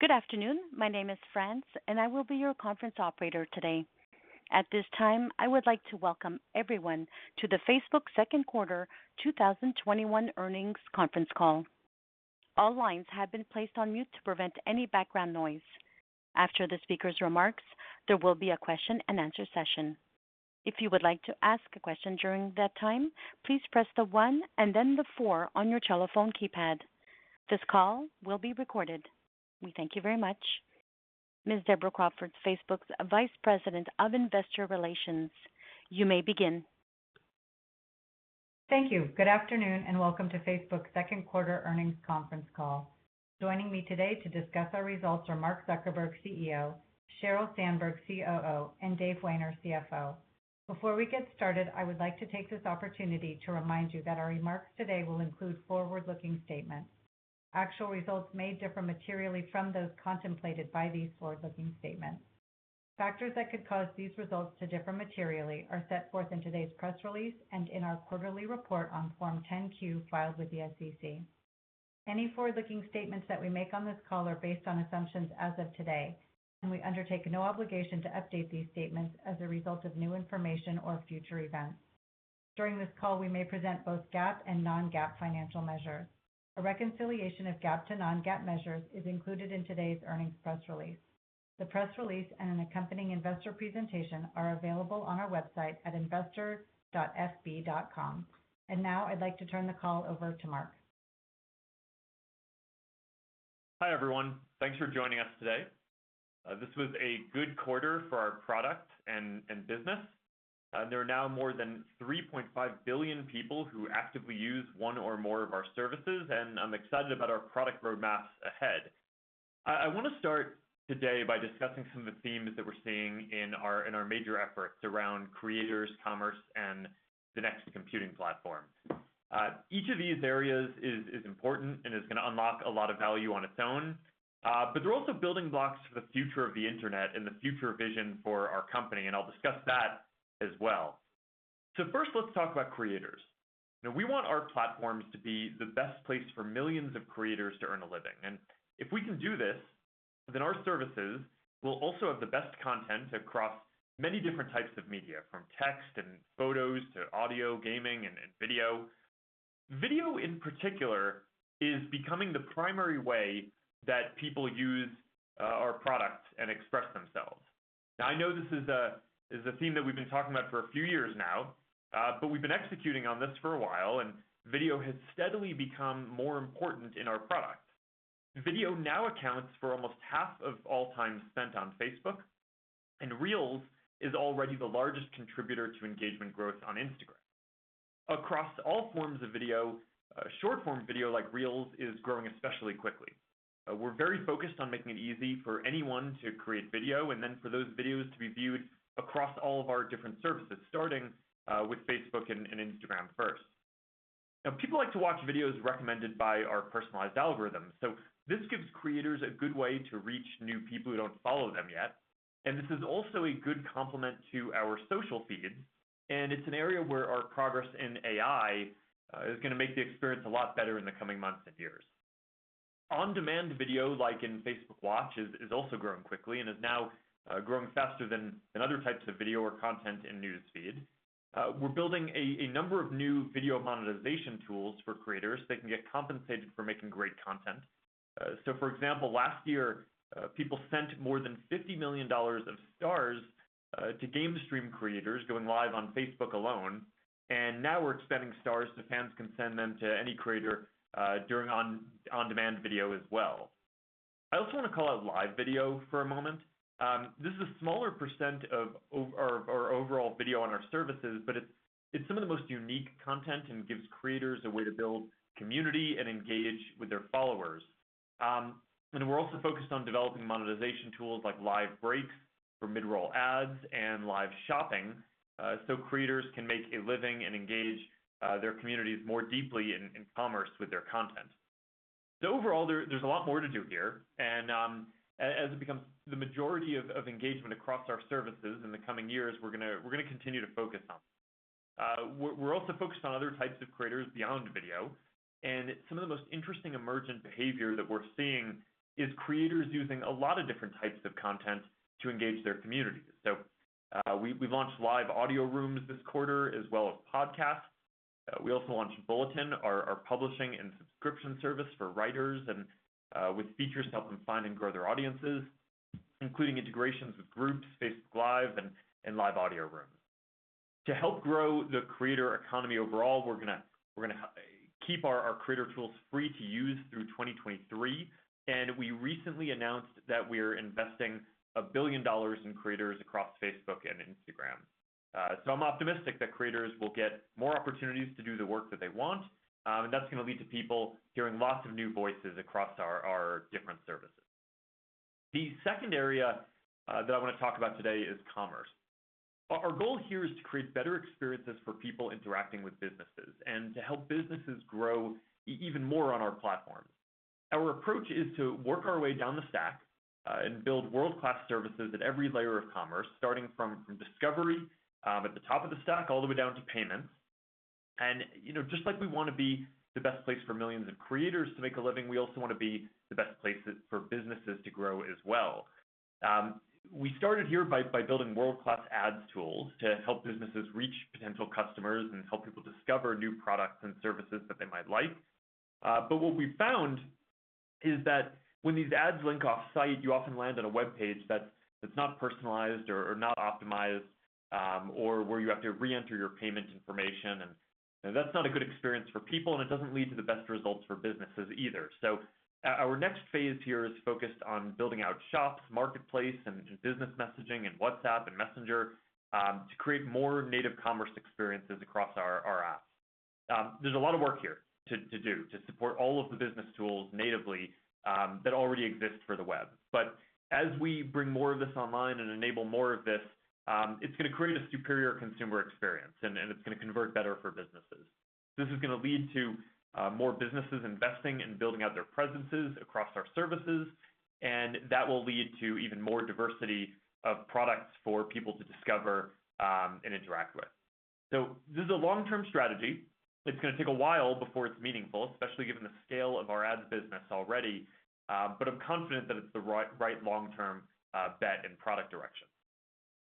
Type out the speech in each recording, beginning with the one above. Good afternoon. My name is France, I will be your conference operator today. At this time, I would like to welcome everyone to the Facebook second quarter 2021 earnings conference call. All lines have been placed on mute to prevent any background noise. After the speaker's remarks, there will be a question and answer session. If you would like to ask a question during that time, please press the one and then the four on your telephone keypad. This call will be recorded. We thank you very much. Ms. Deborah Crawford, Facebook's Vice President of Investor Relations, you may begin. Thank you. Good afternoon. Welcome to Facebook second quarter earnings conference call. Joining me today to discuss our results are Mark Zuckerberg, CEO; Sheryl Sandberg, COO; and Dave Wehner, CFO. Before we get started, I would like to take this opportunity to remind you that our remarks today will include forward-looking statements. Actual results may differ materially from those contemplated by these forward-looking statements. Factors that could cause these results to differ materially are set forth in today's press release and in our quarterly report on Form 10-Q filed with the SEC. Any forward-looking statements that we make on this call are based on assumptions as of today, and we undertake no obligation to update these statements as a result of new information or future events. During this call, we may present both GAAP and non-GAAP financial measures. A reconciliation of GAAP to non-GAAP measures is included in today's earnings press release. The press release and an accompanying investor presentation are available on our website at investor.fb.com. Now I'd like to turn the call over to Mark. Hi, everyone. Thanks for joining us today. This was a good quarter for our product and business. There are now more than 3.5 billion people who actively use one or more of our services. I'm excited about our product roadmaps ahead. I want to start today by discussing some of the themes that we're seeing in our major efforts around creators, commerce and the next computing platform. Each of these areas is important and is going to unlock a lot of value on its own. They're also building blocks for the future of the internet and the future vision for our company. I'll discuss that as well. First, let's talk about creators. Now, we want our platforms to be the best place for millions of creators to earn a living. If we can do this, then our services will also have the best content across many different types of media, from text and photos to audio, gaming and video. Video, in particular, is becoming the primary way that people use our product and express themselves. I know this is a theme that we've been talking about for a few years now, but we've been executing on this for a while, and video has steadily become more important in our product. Video now accounts for almost half of all time spent on Facebook, and Reels is already the largest contributor to engagement growth on Instagram. Across all forms of video, short-form video like Reels is growing especially quickly. We're very focused on making it easy for anyone to create video and then for those videos to be viewed across all of our different services, starting with Facebook and Instagram first. People like to watch videos recommended by our personalized algorithms. This gives creators a good way to reach new people who don't follow them yet, and this is also a good complement to our social Feed, and it's an area where our progress in AI is gonna make the experience a lot better in the coming months and years. On-demand video, like in Facebook Watch, is also growing quickly and is now growing faster than other types of video or content in News Feed. We're building a number of new video monetization tools for creators. They can get compensated for making great content. So for example, last year, people sent more than $50 million of Stars to game stream creators going live on Facebook alone, and now we're extending Stars so fans can send them to any creator during on-demand video as well. I also wanna call out live video for one moment. This is a smaller % of our overall video on our services, but it's some of the most unique content and gives creators a way to build community and engage with their followers. We're also focused on developing monetization tools like live breaks for mid-roll ads and live shopping so creators can make a living and engage their communities more deeply in commerce with their content. Overall, there's a lot more to do here, and as it becomes the majority of engagement across our services in the coming years, we're gonna continue to focus on this. We're also focused on other types of creators beyond video, and some of the most interesting emergent behavior that we're seeing is creators using a lot of different types of content to engage their communities. We've launched live audio rooms this quarter as well as podcasts. We also launched Bulletin, our publishing and subscription service for writers and with features to help them find and grow their audiences, including integrations with Groups, Facebook Live and live audio rooms. To help grow the creator economy overall, we're gonna keep our creator tools free to use through 2023. We recently announced that we're investing $1 billion in creators across Facebook and Instagram. I'm optimistic that creators will get more opportunities to do the work that they want, and that's gonna lead to people hearing lots of new voices across our different services. The second area that I wanna talk about today is commerce. Our goal here is to create better experiences for people interacting with businesses and to help businesses grow even more on our platform. Our approach is to work our way down the stack, and build world-class services at every layer of commerce, starting from discovery, at the top of the stack, all the way down to payments. You know, just like we want to be the best place for millions of creators to make a living, we also want to be the best place for businesses to grow as well. We started here by building world-class ads tools to help businesses reach potential customers and help people discover new products and services that they might like. What we found is that when these ads link off-site, you often land on a webpage that's not personalized or not optimized, or where you have to reenter your payment information, and that's not a good experience for people and it doesn't lead to the best results for businesses either. Our next phase here is focused on building out shops, marketplace, and business messaging in WhatsApp and Messenger, to create more native commerce experiences across our apps. There's a lot of work here to do to support all of the business tools natively, that already exist for the web. As we bring more of this online and enable more of this, it's gonna create a superior consumer experience and it's gonna convert better for businesses. This is gonna lead to more businesses investing in building out their presences across our services, and that will lead to even more diversity of products for people to discover and interact with. This is a long-term strategy. It's gonna take a while before it's meaningful, especially given the scale of our ads business already, but I'm confident that it's the right long-term bet and product direction.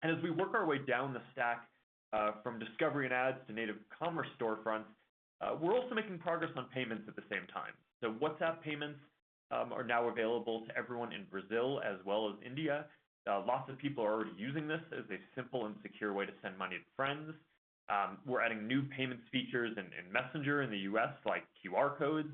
As we work our way down the stack, from discovery and ads to native commerce storefronts, we're also making progress on payments at the same time. WhatsApp payments are now available to everyone in Brazil as well as India. Lots of people are already using this as a simple and secure way to send money to friends. We're adding new payments features in Messenger in the U.S. like QR codes.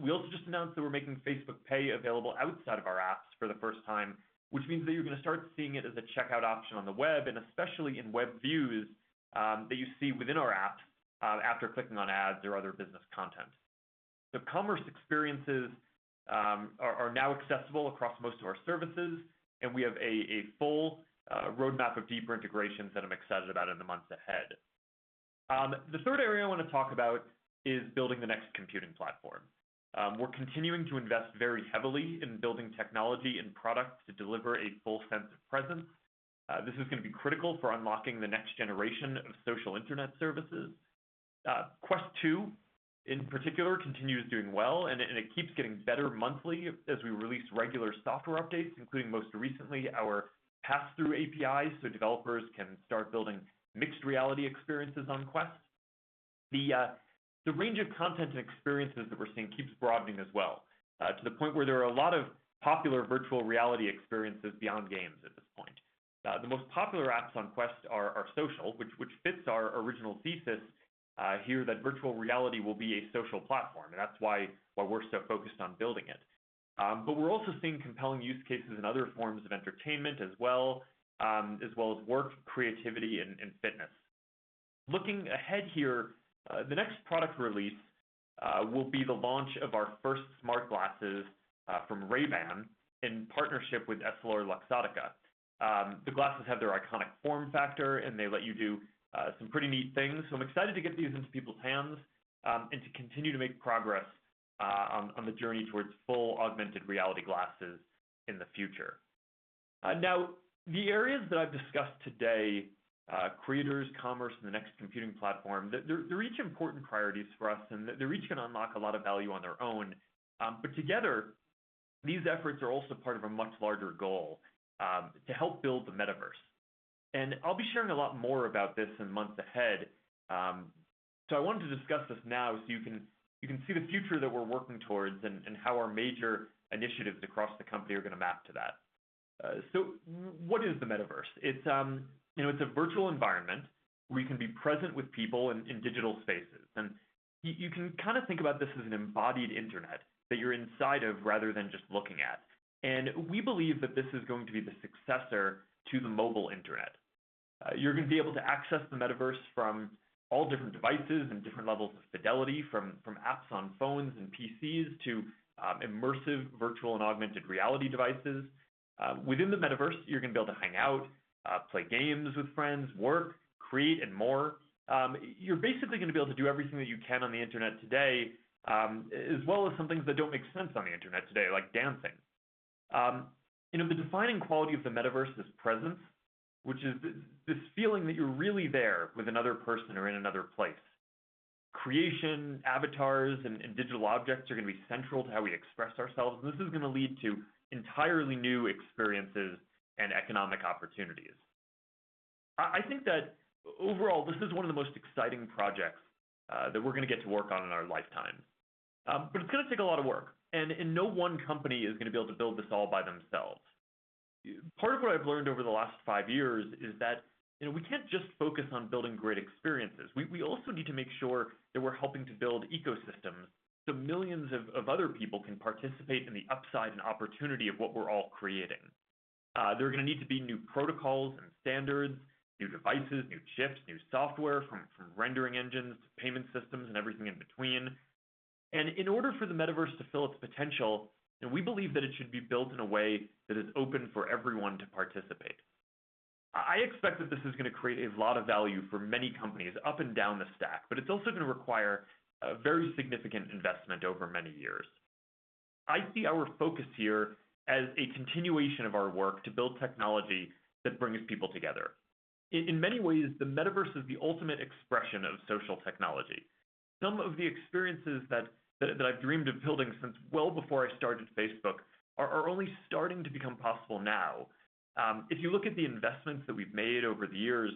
We also just announced that we're making Facebook Pay available outside of our apps for the first time, which means that you're gonna start seeing it as a checkout option on the web, and especially in web views that you see within our app after clicking on ads or other business content. Commerce experiences are now accessible across most of our services, and we have a full roadmap of deeper integrations that I'm excited about in the months ahead. The third area I want to talk about is building the next computing platform. We're continuing to invest very heavily in building technology and products to deliver a full sense of presence. This is gonna be critical for unlocking the next generation of social internet services. Quest 2, in particular, continues doing well and it keeps getting better monthly as we release regular software updates, including most recently our Passthrough API so developers can start building mixed reality experiences on Quest. The range of content and experiences that we're seeing keeps broadening as well to the point where there are a lot of popular virtual reality experiences beyond games at this point. The most popular apps on Quest are social, which fits our original thesis here that virtual reality will be a social platform, and that's why we're so focused on building it. We're also seeing compelling use cases in other forms of entertainment as well as work, creativity, and fitness. Looking ahead here, the next product release will be the launch of our first smart glasses from Ray-Ban in partnership with EssilorLuxottica. The glasses have their iconic form factor, and they let you do some pretty neat things, so I'm excited to get these into people's hands and to continue to make progress on the journey towards full augmented-reality glasses in the future. The areas that I've discussed today, creators, commerce, and the next computing platform, they're each important priorities for us and they're each gonna unlock a lot of value on their own. Together these efforts are also part of a much larger goal to help build the metaverse. I'll be sharing a lot more about this in months ahead, so I wanted to discuss this now so you can see the future that we're working towards and how our major initiatives across the company are gonna map to that. What is the metaverse? It's, you know, it's a virtual environment where you can be present with people in digital spaces. You can kind of think about this as an embodied internet that you're inside of rather than just looking at. We believe that this is going to be the successor to the mobile internet. You're gonna be able to access the metaverse from all different devices and different levels of fidelity, from apps on phones and PCs to immersive virtual and augmented reality devices. Within the metaverse, you're gonna be able to hang out, play games with friends, work, create, and more. You're basically gonna be able to do everything that you can on the internet today, as well as some things that don't make sense on the internet today, like dancing. You know, the defining quality of the metaverse is presence, which is this feeling that you're really there with another person or in another place. Creation, avatars, and digital objects are gonna be central to how we express ourselves, and this is gonna lead to entirely new experiences and economic opportunities. I think that overall this is one of the most exciting projects that we're gonna get to work on in our lifetime. It's gonna take a lot of work and no one company is gonna be able to build this all by themselves. Part of what I've learned over the last five years is that, you know, we can't just focus on building great experiences. We also need to make sure that we're helping to build ecosystems so millions of other people can participate in the upside and opportunity of what we're all creating. There are gonna need to be new protocols and standards, new devices, new chips, new software from rendering engines to payment systems and everything in between. In order for the metaverse to fulfill its potential, and we believe that it should be built in a way that is open for everyone to participate. I expect that this is gonna create a lot of value for many companies up and down the stack, but it's also gonna require a very significant investment over many years. I see our focus here as a continuation of our work to build technology that brings people together. In many ways, the metaverse is the ultimate expression of social technology. Some of the experiences that I've dreamed of building since well before I started Facebook are only starting to become possible now. If you look at the investments that we've made over the years,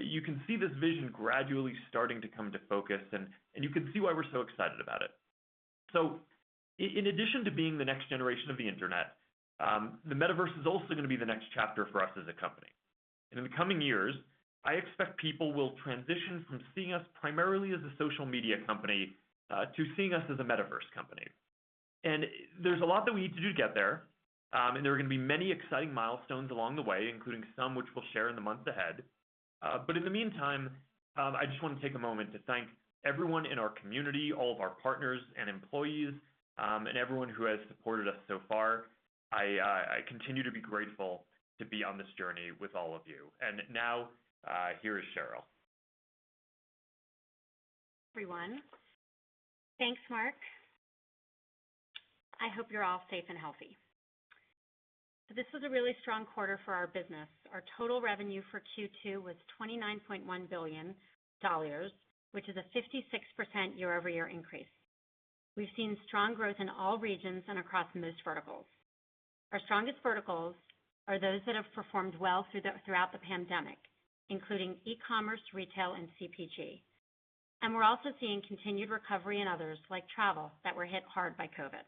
you can see this vision gradually starting to come to focus and you can see why we're so excited about it. In addition to being the next generation of the internet, the metaverse is also gonna be the next chapter for us as a company. In the coming years, I expect people will transition from seeing us primarily as a social media company, to seeing us as a metaverse company. There's a lot that we need to do to get there, and there are gonna be many exciting milestones along the way, including some which we'll share in the months ahead. In the meantime, I just wanna take a moment to thank everyone in our community, all of our partners and employees, and everyone who has supported us so far. I continue to be grateful to be on this journey with all of you. Now, here is Sheryl. Hi everyone. Thanks, Mark. I hope you're all safe and healthy. This was a really strong quarter for our business. Our total revenue for Q2 was $29.1 billion, which is a 56% year-over-year increase. We've seen strong growth in all regions and across most verticals. Our strongest verticals are those that have performed well throughout the pandemic, including e-commerce, retail, and CPG. We're also seeing continued recovery in others, like travel, that were hit hard by COVID.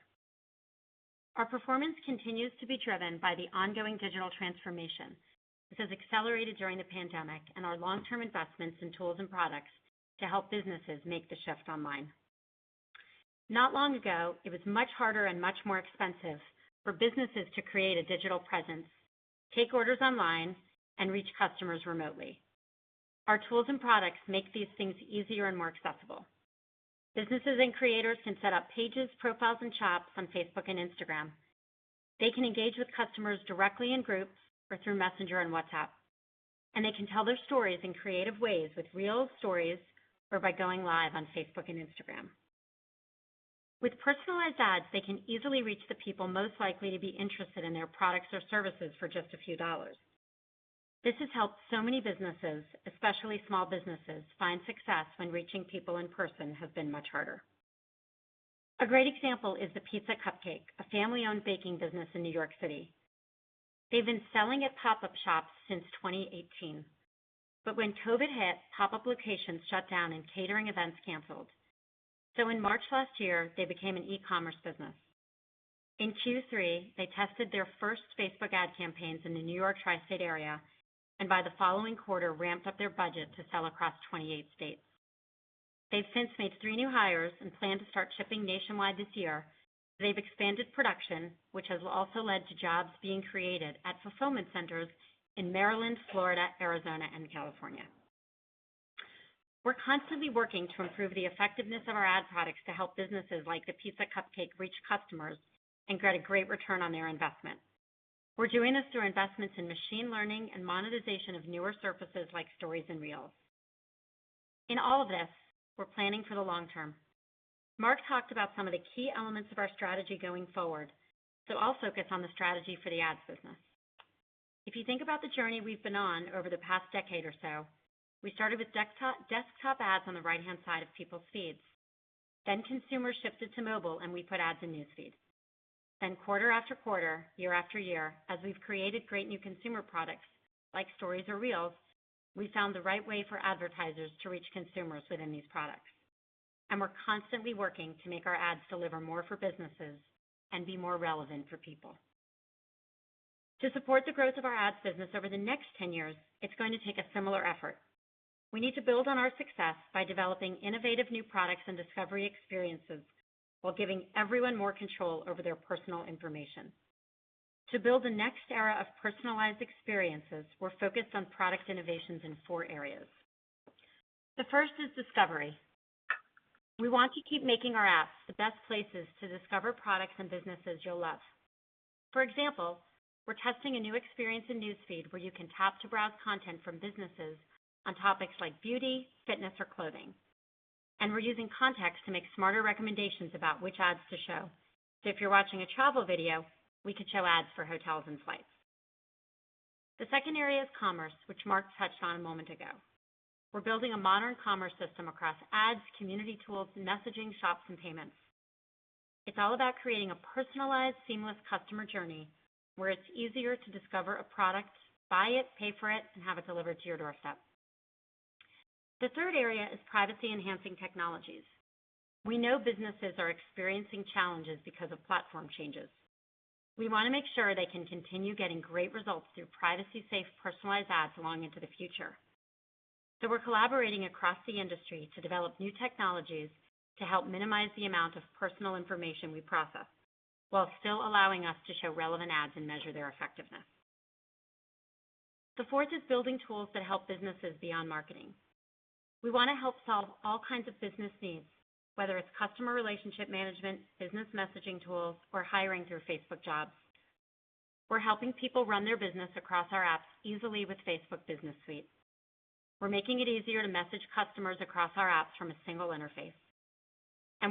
Our performance continues to be driven by the ongoing digital transformation. This has accelerated during the pandemic and our long-term investments in tools and products to help businesses make the shift online. Not long ago, it was much harder and much more expensive for businesses to create a digital presence, take orders online, and reach customers remotely. Our tools and products make these things easier and more accessible. Businesses and creators can set up pages, profiles, and shops on Facebook and Instagram. They can engage with customers directly in groups or through Messenger and WhatsApp, and they can tell their stories in creative ways with Reels, Stories or by going live on Facebook and Instagram. With personalized ads, they can easily reach the people most likely to be interested in their products or services for just a few dollars. This has helped so many businesses, especially small businesses, find success when reaching people in person have been much harder. A great example is The Pizza Cupcake, a family-owned baking business in New York City. They've been selling at pop-up shops since 2018. When COVID hit, pop-up locations shut down and catering events canceled. In March last year, they became an e-commerce business. In Q3, they tested their first Facebook ad campaigns in the New York tri-state area, and by the following quarter, ramped up their budget to sell across 28 states. They've since made three new hires and plan to start shipping nationwide this year. They've expanded production, which has also led to jobs being created at fulfillment centers in Maryland, Florida, Arizona, and California. We're constantly working to improve the effectiveness of our ad products to help businesses like The Pizza Cupcake reach customers and get a great return on their investment. We're doing this through investments in machine learning and monetization of newer surfaces like Stories and Reels. In all of this, we're planning for the long term. Mark talked about some of the key elements of our strategy going forward. I'll focus on the strategy for the ads business. If you think about the journey we've been on over the past decade or so, we started with desktop ads on the right-hand side of people's feeds. Consumers shifted to mobile, and we put ads in News Feed. Quarter after quarter, year after year, as we've created great new consumer products like Stories or Reels, we found the right way for advertisers to reach consumers within these products. We're constantly working to make our ads deliver more for businesses and be more relevant for people. To support the growth of our ads business over the next 10 years, it's going to take a similar effort. We need to build on our success by developing innovative new products and discovery experiences while giving everyone more control over their personal information. To build the next era of personalized experiences, we're focused on product innovations in four areas. The first is discovery. We want to keep making our apps the best places to discover products and businesses you'll love. For example, we're testing a new experience in News Feed where you can tap to browse content from businesses on topics like beauty, fitness, or clothing. We're using context to make smarter recommendations about which ads to show. If you're watching a travel video, we could show ads for hotels and flights. The second area is commerce, which Mark touched on a moment ago. We're building a modern commerce system across ads, community tools, messaging, shops, and payments. It's all about creating a personalized, seamless customer journey where it's easier to discover a product, buy it, pay for it, and have it delivered to your doorstep. The third area is privacy-enhancing technologies. We know businesses are experiencing challenges because of platform changes. We wanna make sure they can continue getting great results through privacy-safe, personalized ads long into the future. We're collaborating across the industry to develop new technologies to help minimize the amount of personal information we process while still allowing us to show relevant ads and measure their effectiveness. The fourth is building tools that help businesses beyond marketing. We wanna help solve all kinds of business needs, whether it's customer relationship management, business messaging tools, or hiring through Facebook Jobs. We're helping people run their business across our apps easily with Facebook Business Suite. We're making it easier to message customers across our apps from a single interface.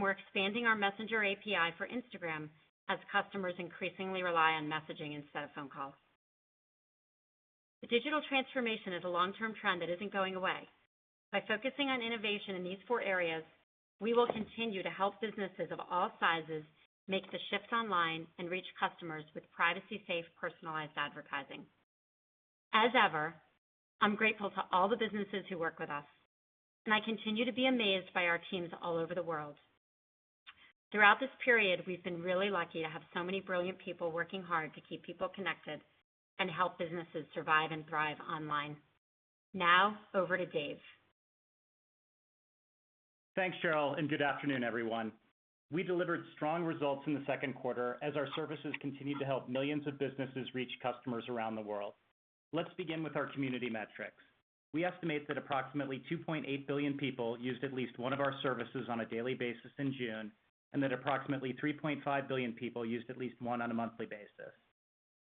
We're expanding our Messenger API for Instagram as customers increasingly rely on messaging instead of phone calls. The digital transformation is a long-term trend that isn't going away. By focusing on innovation in these four areas, we will continue to help businesses of all sizes make the shift online and reach customers with privacy-safe, personalized advertising. As ever, I'm grateful to all the businesses who work with us, and I continue to be amazed by our teams all over the world. Throughout this period, we've been really lucky to have so many brilliant people working hard to keep people connected and help businesses survive and thrive online. Now, over to Dave. Thanks, Sheryl, and good afternoon, everyone. We delivered strong results in the second quarter as our services continued to help millions of businesses reach customers around the world. Let's begin with our community metrics. We estimate that approximately 2.8 billion people used at least one of our services on a daily basis in June, and that approximately 3.5 billion people used at least one on a monthly basis.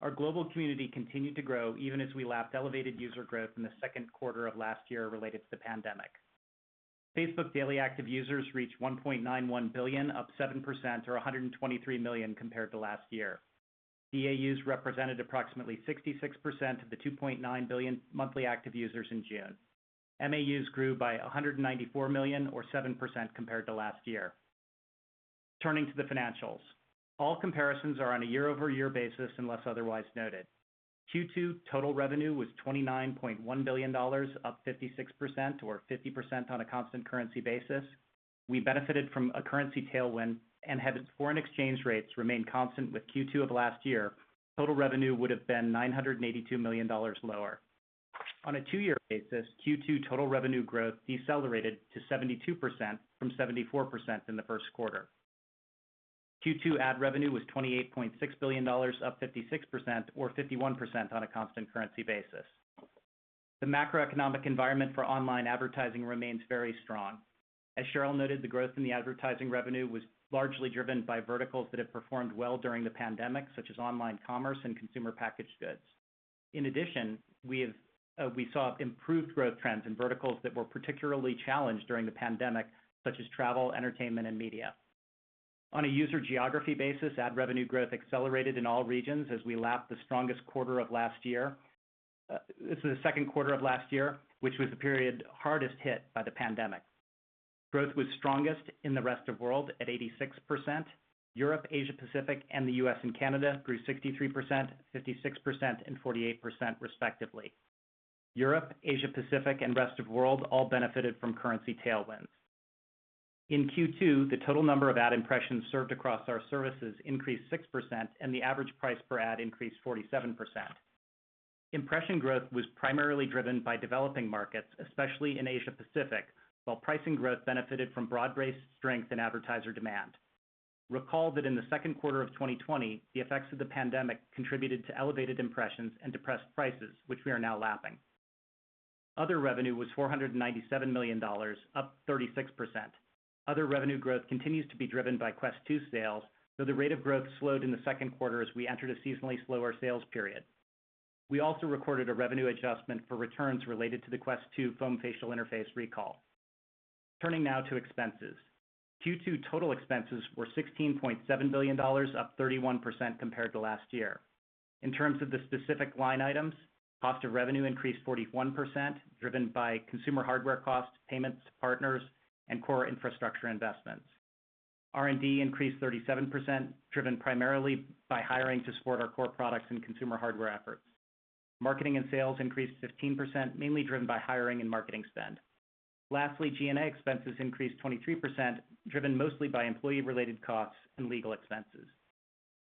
Our global community continued to grow even as we lapped elevated user growth in the second quarter of last year related to the pandemic. Facebook daily active users reached 1.91 billion, up 7% or 123 million compared to last year. DAUs represented approximately 66% of the 2.9 billion monthly active users in June. MAUs grew by 194 million or 7% compared to last year. Turning to the financials. All comparisons are on a year-over-year basis, unless otherwise noted. Q2 total revenue was $29.1 billion, up 56%, or 50% on a constant currency basis. We benefited from a currency tailwind, and had foreign exchange rates remained constant with Q2 of last year, total revenue would have been $982 million lower. On a two-year basis, Q2 total revenue growth decelerated to 72% from 74% in the first quarter. Q2 ad revenue was $28.6 billion, up 56%, or 51% on a constant currency basis. The macroeconomic environment for online advertising remains very strong. As Sheryl noted, the growth in the advertising revenue was largely driven by verticals that have performed well during the pandemic, such as online commerce and consumer packaged goods. In addition, we have, we saw improved growth trends in verticals that were particularly challenged during the pandemic, such as travel, entertainment, and media. On a user geography basis, ad revenue growth accelerated in all regions as we lapped the strongest quarter of last year. This is the second quarter of last year, which was the period hardest hit by the pandemic. Growth was strongest in the Rest of World at 86%. Europe, Asia Pacific, and the U.S. and Canada grew 63%, 56%, and 48% respectively. Europe, Asia Pacific, and Rest of World all benefited from currency tailwinds. In Q2, the total number of ad impressions served across our services increased 6%, and the average price per ad increased 47%. Impression growth was primarily driven by developing markets, especially in Asia Pacific, while pricing growth benefited from broad-based strength in advertiser demand. Recall that in the second quarter of 2020, the effects of the pandemic contributed to elevated impressions and depressed prices, which we are now lapping. Other revenue was $497 million, up 36%. Other revenue growth continues to be driven by Quest 2 sales, though the rate of growth slowed in the second quarter as we entered a seasonally slower sales period. We also recorded a revenue adjustment for returns related to the Quest 2 foam facial interface recall. Turning now to expenses. Q2 total expenses were $16.7 billion, up 31% compared to last year. In terms of the specific line items, cost of revenue increased 41%, driven by consumer hardware costs, payments to partners, and core infrastructure investments. R&D increased 37%, driven primarily by hiring to support our core products and consumer hardware efforts. Marketing and sales increased 15%, mainly driven by hiring and marketing spend. Lastly, G&A expenses increased 23%, driven mostly by employee-related costs and legal expenses.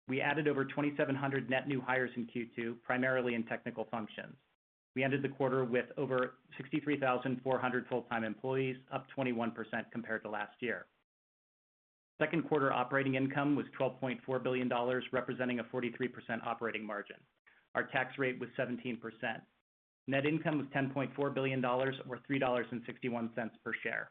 We added over 2,700 net new hires in Q2, primarily in technical functions. We ended the quarter with over 63,400 full-time employees, up 21% compared to last year. Second quarter operating income was $12.4 billion, representing a 43% operating margin. Our tax rate was 17%. Net income was $10.4 billion or $3.61 per share.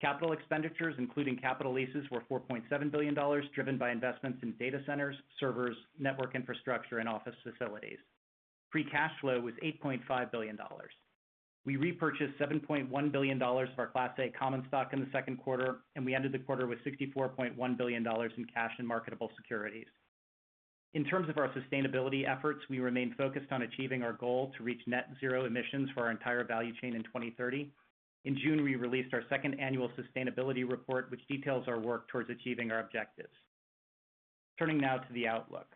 Capital expenditures, including capital leases, were $4.7 billion, driven by investments in data centers, servers, network infrastructure, and office facilities. Free cash flow was $8.5 billion. We repurchased $7.1 billion of our Class A common stock in the second quarter. We ended the quarter with $64.1 billion in cash and marketable securities. In terms of our sustainability efforts, we remain focused on achieving our goal to reach net zero emissions for our entire value chain in 2030. In June, we released our 2nd annual sustainability report, which details our work towards achieving our objectives. Turning now to the outlook.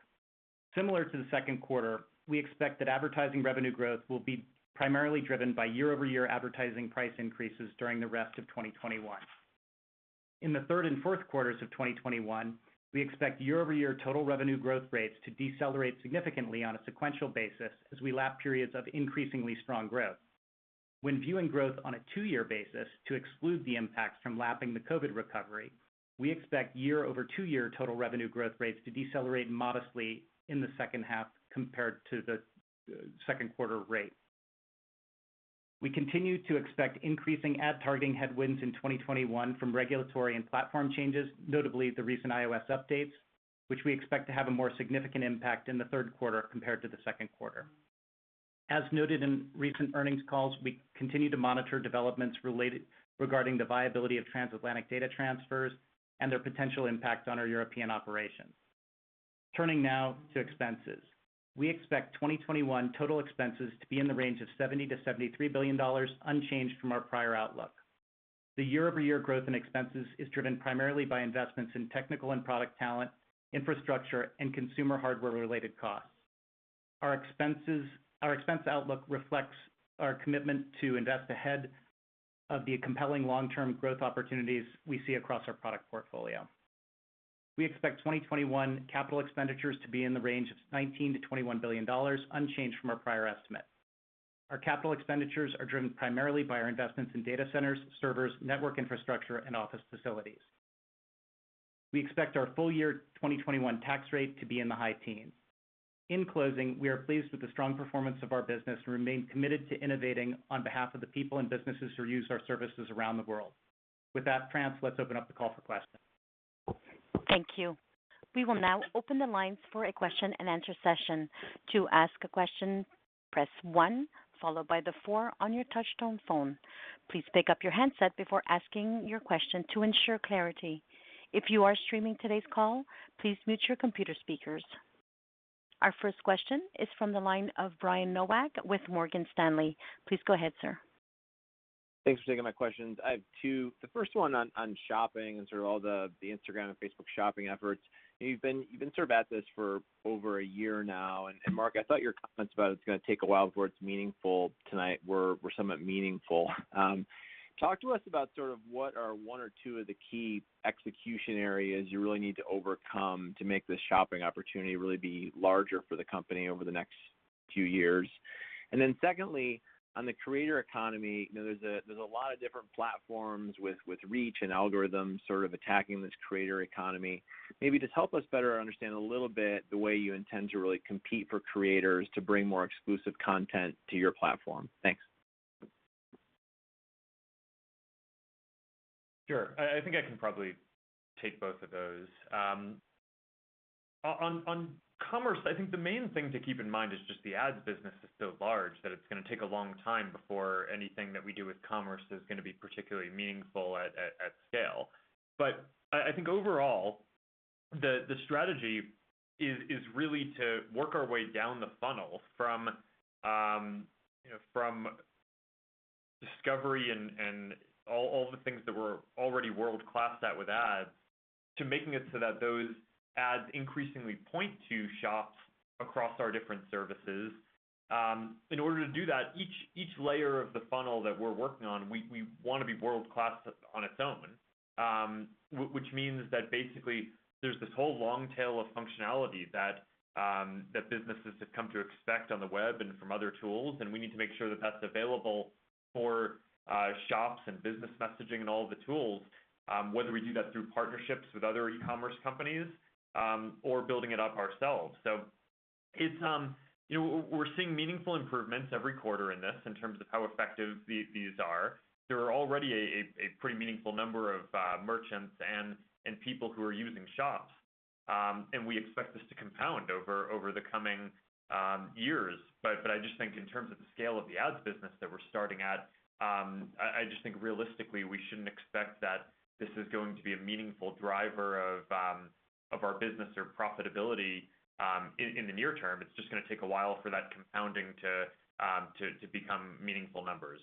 Similar to the second quarter, we expect that advertising revenue growth will be primarily driven by year-over-year advertising price increases during the rest of 2021. In the third and fourth quarters of 2021, we expect year-over-year total revenue growth rates to decelerate significantly on a sequential basis as we lap periods of increasingly strong growth. When viewing growth on a two-year basis to exclude the impacts from lapping the COVID recovery, we expect year-over-two-year total revenue growth rates to decelerate modestly in the second half compared to the second quarter rate. We continue to expect increasing ad targeting headwinds in 2021 from regulatory and platform changes, notably the recent iOS updates, which we expect to have a more significant impact in the third quarter compared to the second quarter. As noted in recent earnings calls, we continue to monitor developments regarding the viability of transatlantic data transfers and their potential impact on our European operations. Turning now to expenses. We expect 2021 total expenses to be in the range of $70 billion-$73 billion, unchanged from our prior outlook. The year-over-year growth in expenses is driven primarily by investments in technical and product talent, infrastructure, and consumer hardware-related costs. Our expense outlook reflects our commitment to invest ahead of the compelling long-term growth opportunities we see across our product portfolio. We expect 2021 capital expenditures to be in the range of $19 billion-$21 billion, unchanged from our prior estimate. Our capital expenditures are driven primarily by our investments in data centers, servers, network infrastructure, and office facilities. We expect our full year 2021 tax rate to be in the high teens. In closing, we are pleased with the strong performance of our business and remain committed to innovating on behalf of the people and businesses who use our services around the world. With that, France, let's open up the call for questions. Thank you. We will now open the lines for a question-and-answer session. Our first question is from the line of Brian Nowak with Morgan Stanley. Please go ahead, sir. Thanks for taking my questions. I have two. The first one on shopping and sort of all the Instagram and Facebook shopping efforts. You've been sort of at this for over a year now. Mark, I thought your comments about it's gonna take a while before it's meaningful tonight were somewhat meaningful. Talk to us about sort of what are one or two of the key execution areas you really need to overcome to make this shopping opportunity really be larger for the company over the next few years. Secondly, on the creator economy, you know, there's a lot of different platforms with reach and algorithms sort of attacking this creator economy. Maybe just help us better understand a little bit the way you intend to really compete for creators to bring more exclusive content to your platform. Thanks. Sure. I think I can probably take both of those. On commerce, I think the main thing to keep in mind is just the ads business is so large that it's gonna take a long time before anything that we do with commerce is gonna be particularly meaningful at scale. I think overall, the strategy is really to work our way down the funnel from, you know, from discovery and all the things that we're already world-class at with ads, to making it so that those ads increasingly Point to Shops across our different services. In order to do that, each layer of the funnel that we're working on, we wanna be world-class on its own. Which means that basically there's this whole long tail of functionality that businesses have come to expect on the web and from other tools, and we need to make sure that that's available for shops and business messaging and all of the tools, whether we do that through partnerships with other e-commerce companies or building it up ourselves. You know, we're seeing meaningful improvements every quarter in this in terms of how effective these are. There are already a pretty meaningful number of merchants and people who are using shops. We expect this to compound over the coming years. I just think in terms of the scale of the ads business that we're starting at, I just think realistically we shouldn't expect that this is going to be a meaningful driver of our business or profitability in the near term. It's just gonna take a while for that compounding to become meaningful numbers.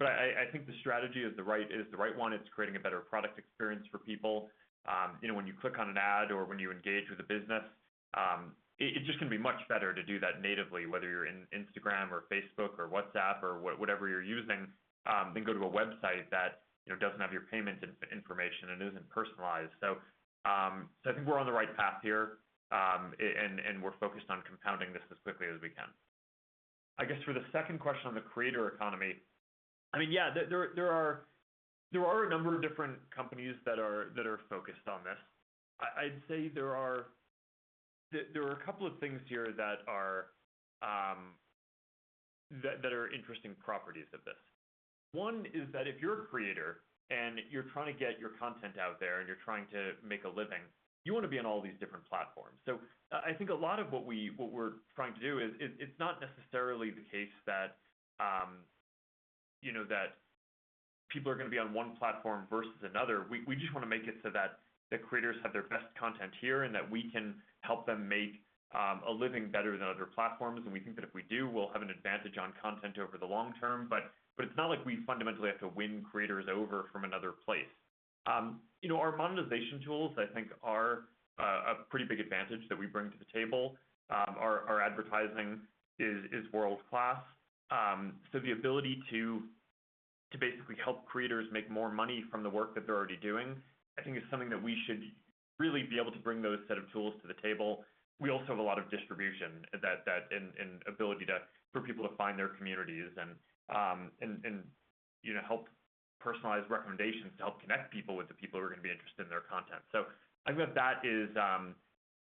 I think the strategy is the right one. It's creating a better product experience for people. You know, when you click on an ad or when you engage with a business, it just can be much better to do that natively, whether you're in Instagram or Facebook or WhatsApp or whatever you're using, than go to a website that, you know, doesn't have your payment information and isn't personalized. I think we're on the right path here, and we're focused on compounding this as quickly as we can. I guess for the second question on the creator economy, I mean, yeah, there are a number of different companies that are focused on this. I'd say there are a couple of things here that are interesting properties of this. One is that if you're a creator and you're trying to get your content out there and you're trying to make a living, you wanna be on all these different platforms. I think a lot of what we're trying to do is it's not necessarily the case that, you know, that people are gonna be on one platform versus another. We just wanna make it so that the creators have their best content here, and that we can help them make a living better than other platforms. We think that if we do, we'll have an advantage on content over the long term. It's not like we fundamentally have to win creators over from another place. You know, our monetization tools, I think are a pretty big advantage that we bring to the table. Our advertising is world-class. The ability to basically help creators make more money from the work that they're already doing, I think is something that we should really be able to bring those set of tools to the table. We also have a lot of distribution that and ability to for people to find their communities and, You know, help personalize recommendations to help connect people with the people who are gonna be interested in their content. I think that that is,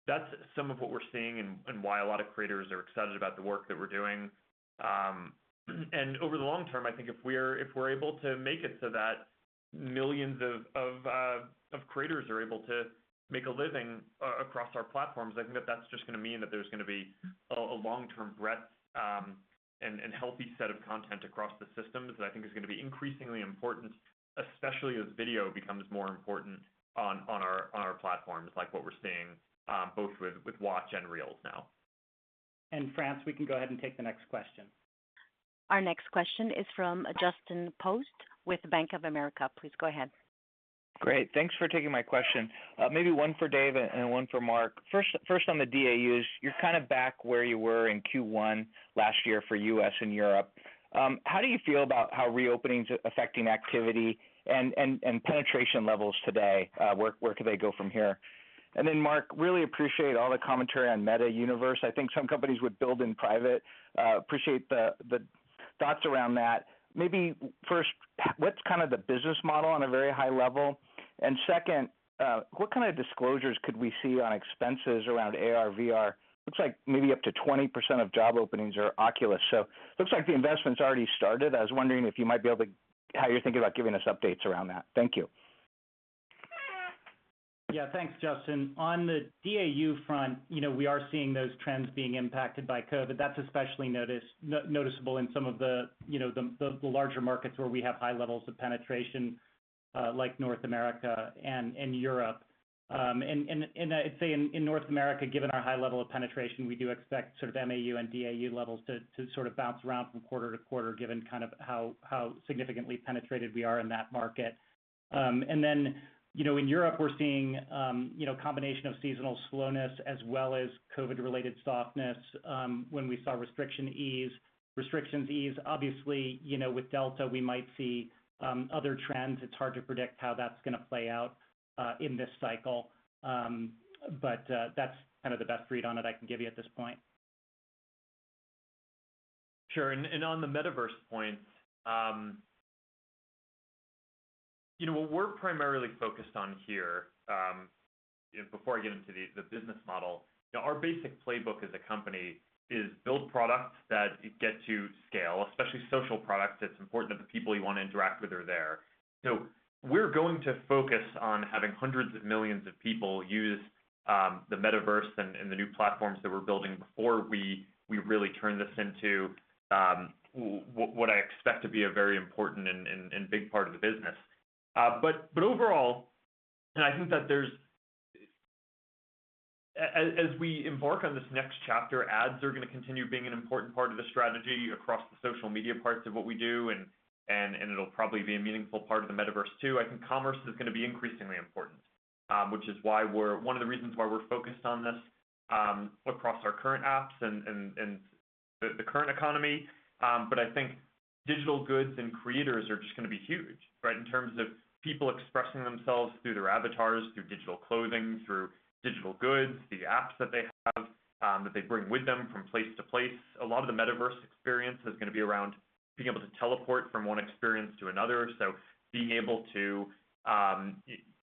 that's some of what we're seeing and why a lot of creators are excited about the work that we're doing. Over the long term, I think if we're able to make it so that millions of creators are able to make a living across our platforms, I think that that's just gonna mean that there's gonna be a long-term breadth and healthy set of content across the systems that I think is gonna be increasingly important, especially as video becomes more important on our platforms, like what we're seeing both with Watch and Reels now. France, we can go ahead and take the next question. Our next question is from Justin Post with Bank of America. Please go ahead. Great. Thanks for taking my question. Maybe one for Dave and one for Mark. First on the DAUs, you're kind of back where you were in Q1 last year for U.S. and Europe. How do you feel about how reopening's affecting activity and penetration levels today? Where could they go from here? Then Mark, really appreciate all the commentary on the metaverse. I think some companies would build in private. Appreciate the thoughts around that. Maybe first, what's kind of the business model on a very high level? Second, what kind of disclosures could we see on expenses around AR/VR? Looks like maybe up to 20% of job openings are Oculus. Looks like the investment's already started. I was wondering if you might be able to how you're thinking about giving us updates around that. Thank you. Yeah. Thanks, Justin. On the DAU front, you know, we are seeing those trends being impacted by COVID. That's especially noticeable in some of the, you know, larger markets where we have high levels of penetration, like North America and Europe. I'd say in North America, given our high level of penetration, we do expect MAU and DAU levels to bounce around from quarter to quarter given kind of how significantly penetrated we are in that market. Then, you know, in Europe, we're seeing, you know, combination of seasonal slowness as well as COVID-related softness. When we saw restrictions ease, obviously, you know, with Delta, we might see other trends. It's hard to predict how that's going to play out in this cycle. That's kind of the best read on it I can give you at this point. Sure. On the metaverse point, you know, what we're primarily focused on here, before I get into the business model, you know, our basic playbook as a company is build products that get to scale, especially social products. It's important that the people you wanna interact with are there. We're going to focus on having hundreds of millions of people use the metaverse and the new platforms that we're building before we really turn this into what I expect to be a very important and big part of the business. Overall, I think that there's as we embark on this next chapter, ads are gonna continue being an important part of the strategy across the social media parts of what we do, it'll probably be a meaningful part of the metaverse, too. I think commerce is gonna be increasingly important, which is why we're one of the reasons why we're focused on this across our current apps and the current economy. I think digital goods and creators are just gonna be huge, right? In terms of people expressing themselves through their avatars, through digital clothing, through digital goods, the apps that they have that they bring with them from place to place. A lot of the metaverse experience is gonna be around being able to teleport from one experience to another. Being able to,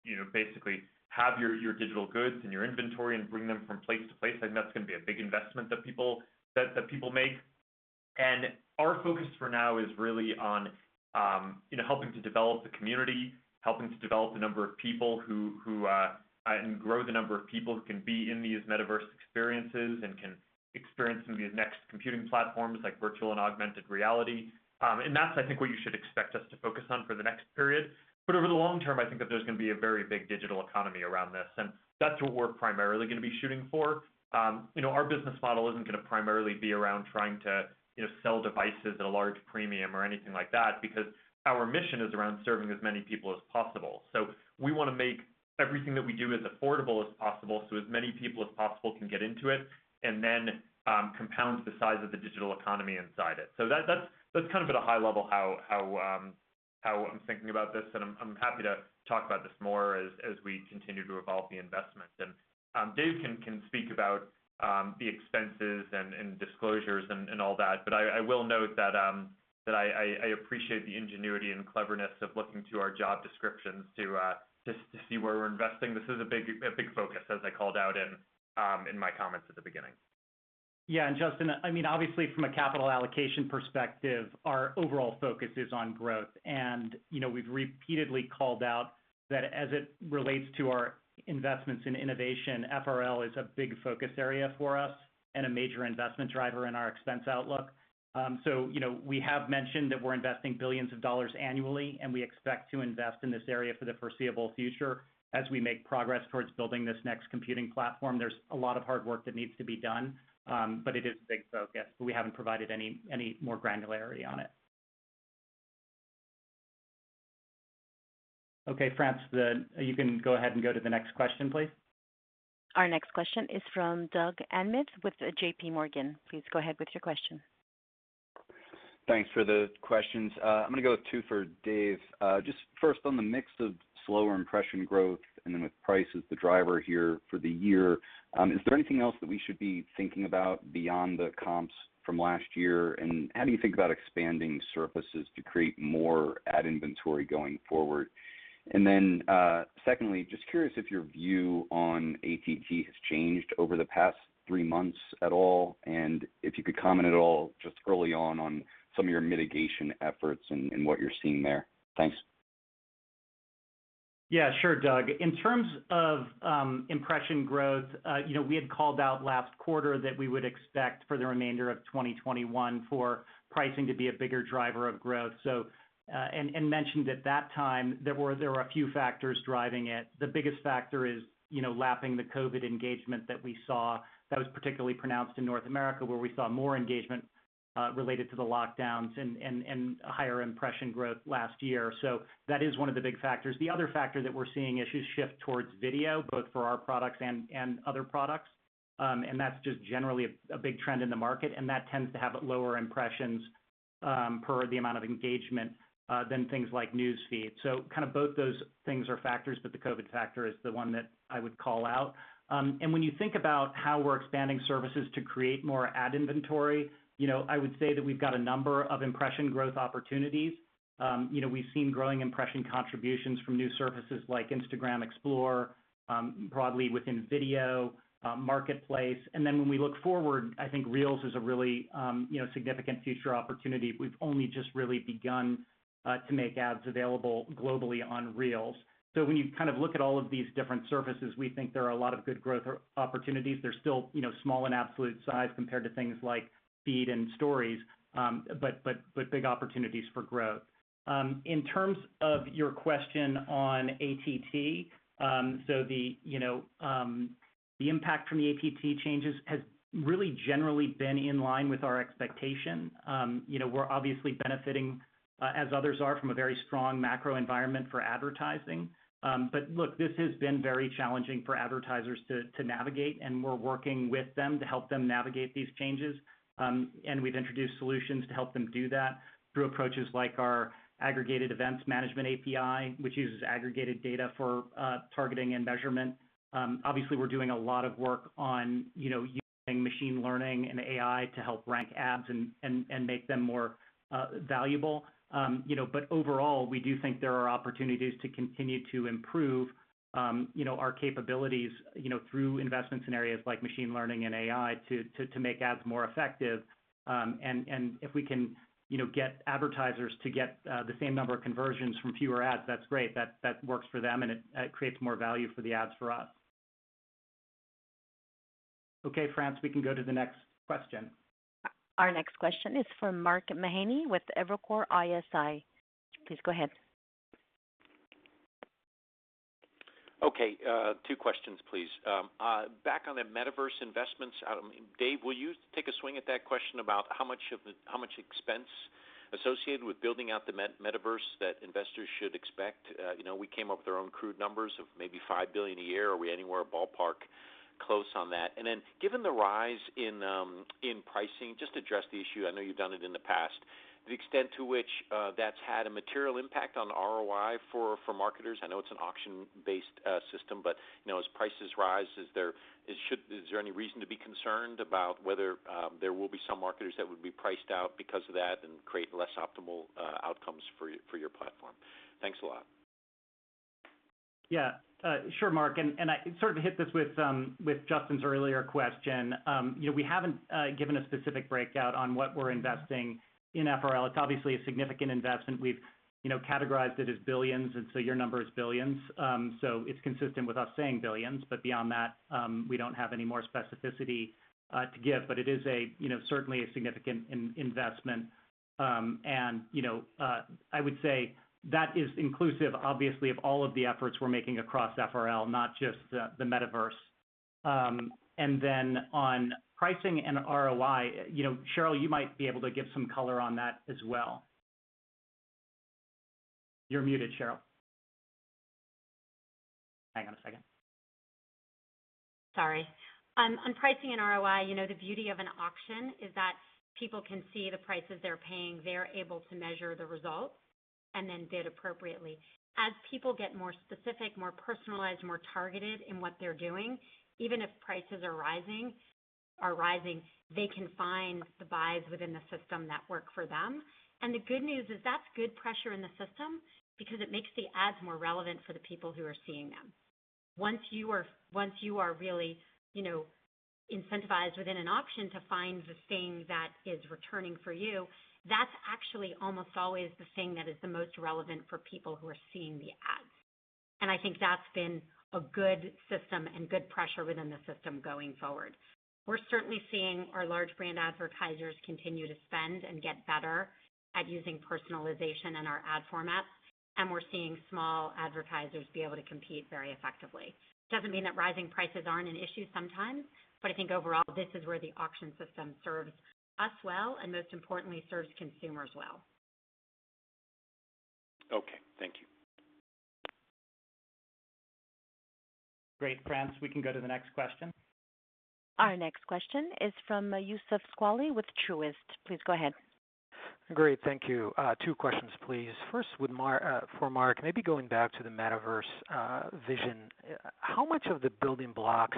you know, basically have your digital goods and your inventory and bring them from place to place. I think that's gonna be a big investment that people make. Our focus for now is really on, you know, helping to develop the community, helping to develop the number of people who and grow the number of people who can be in these metaverse experiences and can experience some of these next computing platforms like virtual and augmented reality. That's, I think, what you should expect us to focus on for the next period. Over the long term, I think that there's gonna be a very big digital economy around this, and that's what we're primarily gonna be shooting for. You know, our business model isn't gonna primarily be around trying to, you know, sell devices at a large premium or anything like that, because our mission is around serving as many people as possible. We wanna make everything that we do as affordable as possible so as many people as possible can get into it and then compound the size of the digital economy inside it. That's kind of at a high level how I'm thinking about this, and I'm happy to talk about this more as we continue to evolve the investment. Dave can speak about the expenses and disclosures and all that. I will note that I appreciate the ingenuity and cleverness of looking to our job descriptions to see where we're investing. This is a big focus, as I called out in my comments at the beginning. Yeah. Justin, I mean, obviously from a capital allocation perspective, our overall focus is on growth. You know, we've repeatedly called out that as it relates to our investments in innovation, FRL is a big focus area for us and a major investment driver in our expense outlook. You know, we have mentioned that we're investing billions of dollars annually, and we expect to invest in this area for the foreseeable future as we make progress towards building this next computing platform. There's a lot of hard work that needs to be done, but it is a big focus. We haven't provided any more granularity on it. Okay, France, you can go ahead and go to the next question, please. Our next question is from Douglas Anmuth with J.P. Morgan. Please go ahead with your question. Thanks for the questions. I'm going to go with 2 for Dave. Just first on the mix of slower impression growth and then with price as the driver here for the year, is there anything else that we should be thinking about beyond the comps from last year? How do you think about expanding services to create more ad inventory going forward? Secondly, just curious if your view on ATT has changed over the past three months at all, and if you could comment at all just early on on some of your mitigation efforts and what you're seeing there. Thanks. Yeah, sure, Doug. In terms of impression growth, you know, we had called out last quarter that we would expect for the remainder of 2021 for pricing to be a bigger driver of growth, and mentioned at that time there were a few factors driving it. The biggest factor is, you know, lapping the COVID engagement that we saw that was particularly pronounced in North America, where we saw more engagement related to the lockdowns and a higher impression growth last year. That is one of the big factors. The other factor that we're seeing is shift towards video, both for our products and other products. That's just generally a big trend in the market, and that tends to have lower impressions per the amount of engagement than things like News Feed. Kind of both those things are factors, but the COVID factor is the one that I would call out. When you think about how we're expanding services to create more ad inventory, you know, I would say that we've got a number of impression growth opportunities. You know, we've seen growing impression contributions from new services like Instagram Explore, broadly within video, Marketplace. When we look forward, I think Reels is a really, you know, significant future opportunity. We've only just really begun to make ads available globally on Reels. When you kind of look at all of these different surfaces, we think there are a lot of good growth opportunities. They're still, you know, small in absolute size compared to things like Feed and Stories, but big opportunities for growth. In terms of your question on ATT, you know, the impact from the ATT changes has really generally been in line with our expectation. You know, we're obviously benefiting, as others are from a very strong macro environment for advertising. Look, this has been very challenging for advertisers to navigate, and we're working with them to help them navigate these changes. We've introduced solutions to help them do that through approaches like our Aggregated Event Measurement API, which uses aggregated data for targeting and measurement. Obviously, we're doing a lot of work on, you know, using machine learning and AI to help rank ads and make them more valuable. You know, overall, we do think there are opportunities to continue to improve, you know, our capabilities, you know, through investments in areas like machine learning and AI to make ads more effective. If we can, you know, get advertisers to get the same number of conversions from fewer ads, that's great. That works for them, and it creates more value for the ads for us. Okay, France, we can go to the next question. Our next question is from Mark Mahaney with Evercore ISI. Please go ahead. Okay. Two questions, please. Back on the metaverse investments, Dave, will you take a swing at that question about how much expense associated with building out the metaverse that investors should expect? You know, we came up with our own crude numbers of maybe $5 billion a year. Are we anywhere ballpark close on that? Given the rise in pricing, just address the issue, I know you've done it in the past, the extent to which that's had a material impact on ROI for marketers. I know it's an auction-based system. You know, as prices rise, is there any reason to be concerned about whether there will be some marketers that would be priced out because of that and create less optimal outcomes for your platform? Thanks a lot. Yeah. Sure, Mark, I sort of hit this with Justin's earlier question. You know, we haven't given a specific breakout on what we're investing in FRL. It's obviously a significant investment. We've, you know, categorized it as billions, your number is billions. It's consistent with us saying billions. Beyond that, we don't have any more specificity to give. It is a, you know, certainly a significant investment. You know, I would say that is inclusive, obviously, of all of the efforts we're making across FRL, not just the metaverse. On pricing and ROI, you know, Sheryl, you might be able to give some color on that as well. You're muted, Sheryl. Hang on a second. Sorry. On pricing and ROI, you know, the beauty of an auction is that people can see the prices they're paying, they're able to measure the results, then bid appropriately. As people get more specific, more personalized, more targeted in what they're doing, even if prices are rising, they can find the buys within the system that work for them. The good news is that's good pressure in the system because it makes the ads more relevant for the people who are seeing them. Once you are really, you know, incentivized within an auction to find the thing that is returning for you, that's actually almost always the thing that is the most relevant for people who are seeing the ads. I think that's been a good system and good pressure within the system going forward. We're certainly seeing our large brand advertisers continue to spend and get better at using personalization in our ad formats, and we're seeing small advertisers be able to compete very effectively. Doesn't mean that rising prices aren't an issue sometimes, but I think overall, this is where the auction system serves us well, and most importantly, serves consumers well. Okay. Thank you. Great, France. We can go to the next question. Our next question is from, Youssef Squali with Truist. Please go ahead. Great. Thank you. two questions, please. First for Mark Zuckerberg, maybe going back to the metaverse vision. How much of the building blocks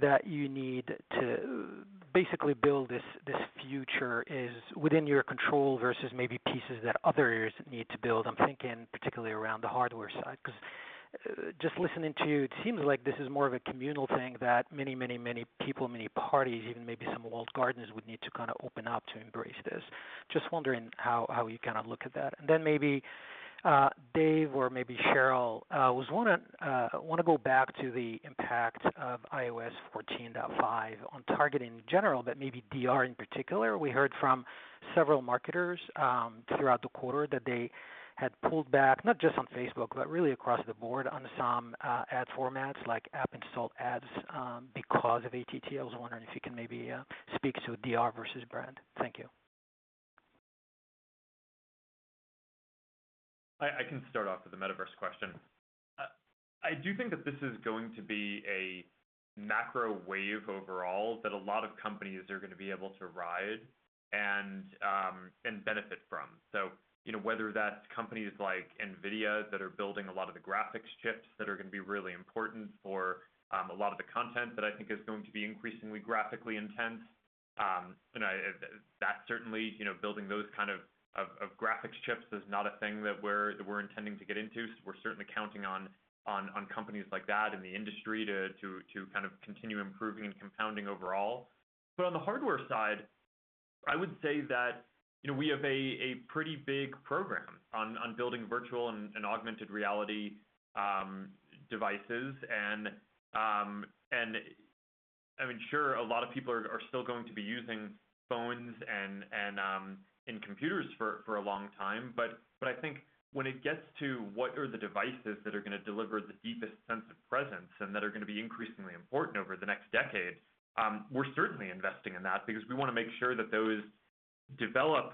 that you need to basically build this future is within your control versus maybe pieces that others need to build? I'm thinking particularly around the hardware side, 'cause just listening to you, it seems like this is more of a communal thing that many people, many parties, even maybe some walled gardens would need to kind of open up to embrace this. Just wondering how you kind of look at that. Then maybe Dave or maybe Sheryl, wanna go back to the impact of iOS 14.5 on targeting in general, but maybe DR in particular. We heard from several marketers, throughout the quarter that they had pulled back, not just on Facebook, but really across the board on some ad formats like app install ads, because of ATT. I was wondering if you can maybe speak to DR versus brand. Thank you. I can start off with the metaverse question. I do think that this is going to be a macro wave overall that a lot of companies are gonna be able to ride and benefit from. You know, whether that's companies like NVIDIA that are building a lot of the graphics chips that are gonna be really important for a lot of the content that I think is going to be increasingly graphically intense. That certainly, you know, building those kind of graphics chips is not a thing that we're intending to get into. We're certainly counting on companies like that in the industry to kind of continue improving and compounding overall. On the hardware side, I would say that, you know, we have a pretty big program on building virtual and augmented reality devices. I mean, sure, a lot of people are still going to be using phones and computers for a long time. I think when it gets to what are the devices that are gonna deliver the deepest sense of presence and that are gonna be increasingly important over the next decade, we're certainly investing in that because we wanna make sure that those develop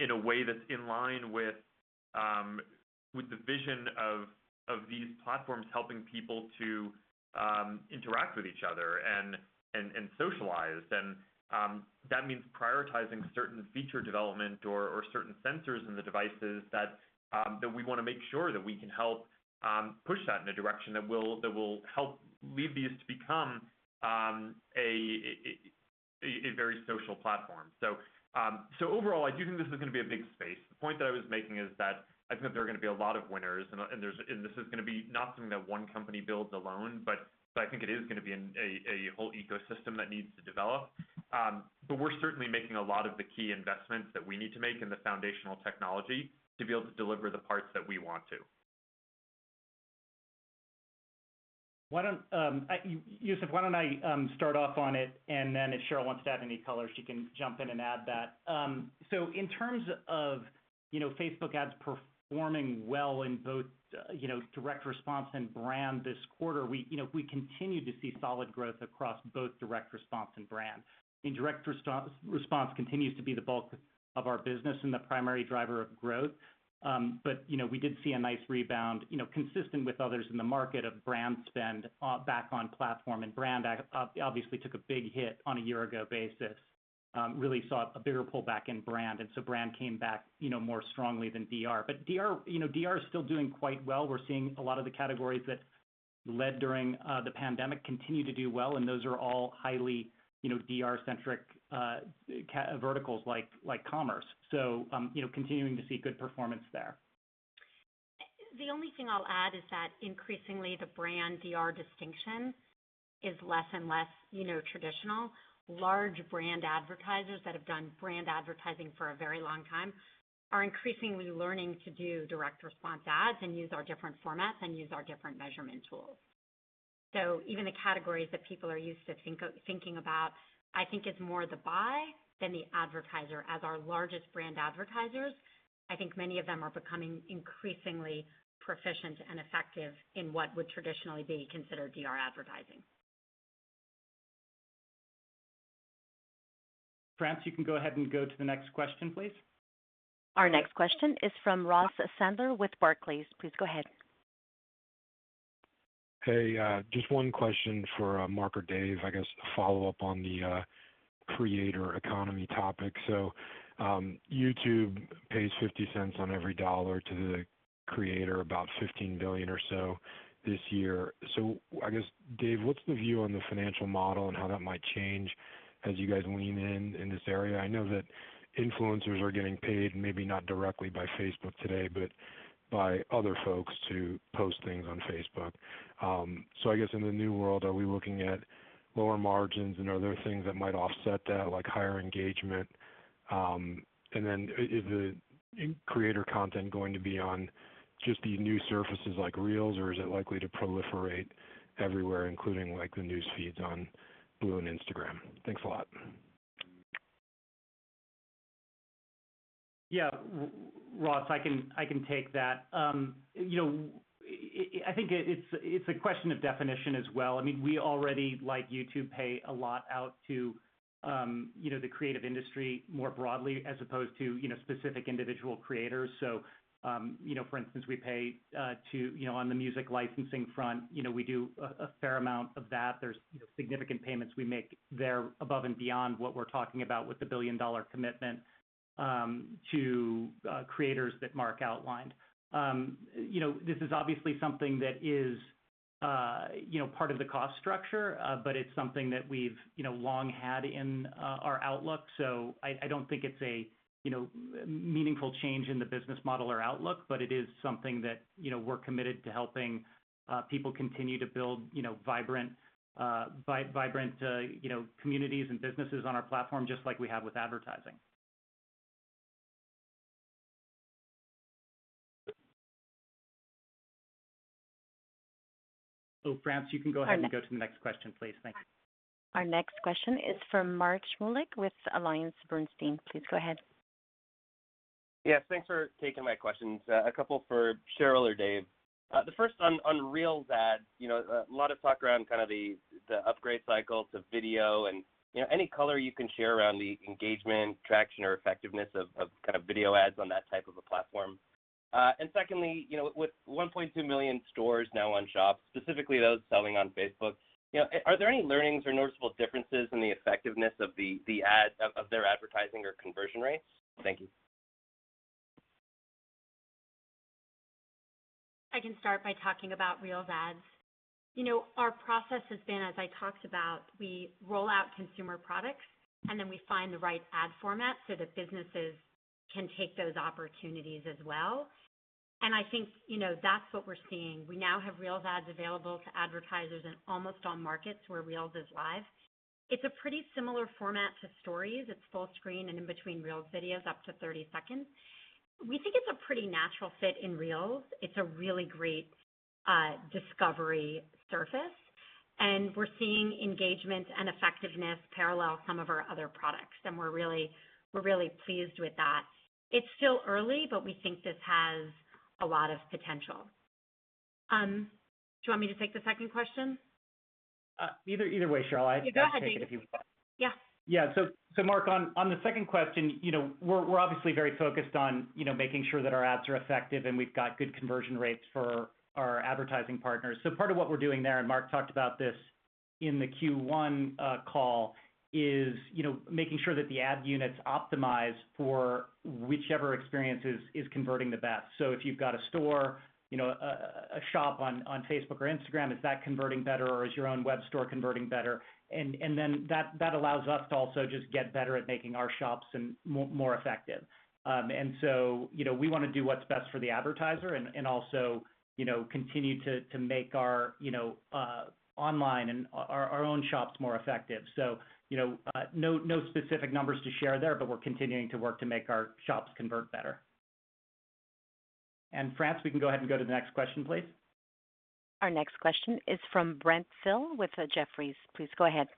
in a way that's in line with the vision of these platforms helping people to interact with each other and socialize. That means prioritizing certain feature development or certain sensors in the devices that we wanna make sure that we can help push that in a direction that will help lead these to become a very social platform. Overall, I do think this is gonna be a big space. The point that I was making is that I think there are gonna be a lot of winners and this is gonna be not something that one company builds alone, but I think it is gonna be a whole ecosystem that needs to develop. We're certainly making a lot of the key investments that we need to make in the foundational technology to be able to deliver the parts that we want to. Why don't I, Youssef, why don't I start off on it, then if Sheryl wants to add any color, she can jump in and add that. In terms of, you know, Facebook ads performing well in both, you know, direct response and brand this quarter, we, you know, we continue to see solid growth across both direct response and brand. I mean, direct response continues to be the bulk of our business and the primary driver of growth. You know, we did see a nice rebound, you know, consistent with others in the market of brand spend back on platform. Brand obviously took a big hit on a year ago basis. Really saw a bigger pullback in brand came back, you know, more strongly than DR. DR, you know, is still doing quite well. We're seeing a lot of the categories that led during the pandemic continue to do well, and those are all highly, you know, DR-centric verticals like commerce. You know, continuing to see good performance there. The only thing I'll add is that increasingly the brand DR distinction is less and less, you know, traditional. Large brand advertisers that have done brand advertising for a very long time are increasingly learning to do direct response ads and use our different formats and use our different measurement tools. Even the categories that people are used to thinking about, I think it's more the buy than the advertiser. As our largest brand advertisers, I think many of them are becoming increasingly proficient and effective in what would traditionally be considered DR advertising. France, you can go ahead and go to the next question, please. Our next question is from Ross Sandler with Barclays. Please go ahead. Just one question for Mark or Dave, I guess a follow-up on the creator economy topic. YouTube pays $0.50 on every dollar to the creator, about $15 billion or so this year. I guess, Dave, what's the view on the financial model and how that might change as you guys lean in in this area? I know that influencers are getting paid, maybe not directly by Facebook today, but by other folks to post things on Facebook. I guess in the new world, are we looking at lower margins and are there things that might offset that, like higher engagement? Is the creator content going to be on just these new surfaces like Reels, or is it likely to proliferate everywhere, including like the news feeds on Facebook and Instagram? Thanks a lot. Ross, I can take that. You know, I think it's a question of definition as well. I mean, we already, like YouTube, pay a lot out to, you know, the creative industry more broadly as opposed to, you know, specific individual creators. You know, for instance, we pay to, you know, on the music licensing front, you know, we do a fair amount of that. There's, you know, significant payments we make there above and beyond what we're talking about with the billion-dollar commitment to creators that Mark outlined. You know, this is obviously something that is, you know, part of the cost structure, but it's something that we've, you know, long had in our outlook. I don't think it's a, you know, meaningful change in the business model or outlook, but it is something that, you know, we're committed to helping people continue to build, you know, vibrant, you know, communities and businesses on our platform, just like we have with advertising. Oh, France, you can go ahead. Pardon Go to the next question, please. Thank you. Our next question is from Mark Shmulik with AllianceBernstein. Please go ahead. Yes, thanks for taking my questions. A couple for Sheryl or Dave. The first on Reels ads. You know, a lot of talk around kind of the upgrade cycle to video and, you know, any color you can share around the engagement, traction, or effectiveness of kind of video ads on that type of a platform. Secondly, you know, with 1.2 million stores now on Shops, specifically those selling on Facebook, you know, are there any learnings or noticeable differences in the effectiveness of their advertising or conversion rates? Thank you. I can start by talking about Reels ads. You know, our process has been, as I talked about, we roll out consumer products, and then we find the right ad format so that businesses can take those opportunities as well. I think, you know, that's what we're seeing. We now have Reels ads available to advertisers in almost all markets where Reels is live. It's a pretty similar format to Stories. It's full screen and in between Reels videos, up to 30 seconds. We think it's a pretty natural fit in Reels. It's a really great discovery surface, and we're seeing engagement and effectiveness parallel some of our other products, and we're really pleased with that. It's still early, but we think this has a lot of potential. Do you want me to take the second question? Either way, Sheryl. I can take it if you want. Yeah, go ahead. Yes. Mark, on the second question, you know, we're obviously very focused on, you know, making sure that our ads are effective and we've got good conversion rates for our advertising partners. Part of what we're doing there, and Mark talked about this in the Q1 call, is, you know, making sure that the ad unit's optimized for whichever experience is converting the best. If you've got a store, you know, a shop on Facebook or Instagram, is that converting better or is your own web store converting better? Then that allows us to also just get better at making our Shops more effective. You know, we wanna do what's best for the advertiser and also, you know, continue to make our, you know, online and our own Shops more effective. You know, no specific numbers to share there, but we're continuing to work to make our Shops convert better. France, we can go ahead and go to the next question, please. Our next question is from Brent Thill with Jefferies. Please go ahead.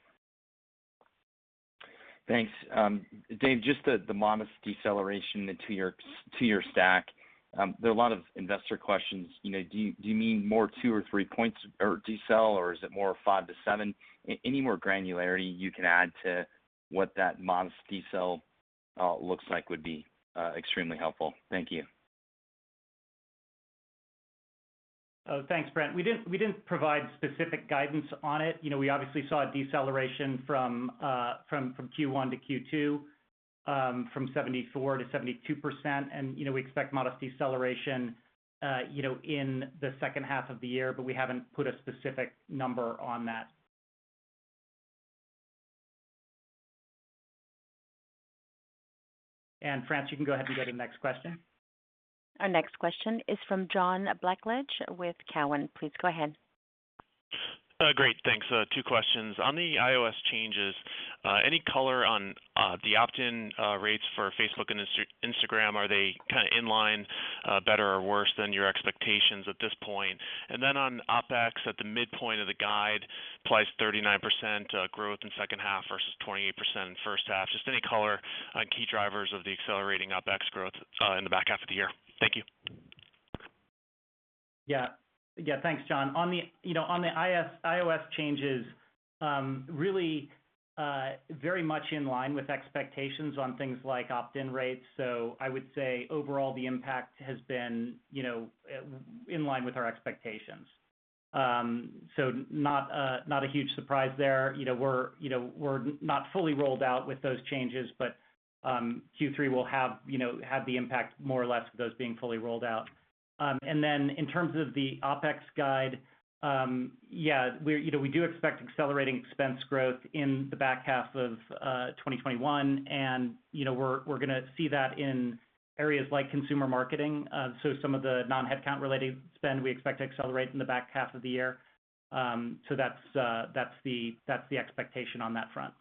Thanks. Dave, just the modest deceleration to your stack. There are a lot of investor questions. You know, do you mean more two or three points or decel or is it more five to seven? Any more granularity you can add to what that modest decel looks like would be extremely helpful. Thank you. Oh, thanks, Brent. We didn't provide specific guidance on it. You know, we obviously saw a deceleration from Q1 to Q2, from 74%-72%. You know, we expect modest deceleration, you know, in the second half of the year, but we haven't put a specific number on that. France, you can go ahead and go to the next question. Our next question is from John Blackledge with Cowen. Please go ahead. Great. Thanks. Two questions. On the iOS changes, any color on the opt-in rates for Facebook and Instagram? Are they kind of in line, better or worse than your expectations at this point? On OpEx, at the midpoint of the guide, implies 39% growth in second half versus 28% in first half. Just any color on key drivers of the accelerating OpEx growth in the back half of the year. Thank you. Yeah. Thanks, John. On the, you know, on the iOS changes, really very much in line with expectations on things like opt-in rates. I would say overall the impact has been, you know, in line with our expectations. Not a huge surprise there. You know, we're not fully rolled out with those changes, but Q3 will have, you know, the impact more or less of those being fully rolled out. In terms of the OpEx guide, yeah, we do expect accelerating expense growth in the back half of 2021. You know, we're gonna see that in areas like consumer marketing. Some of the non-headcount-related spend we expect to accelerate in the back half of the year. That's the expectation on that front.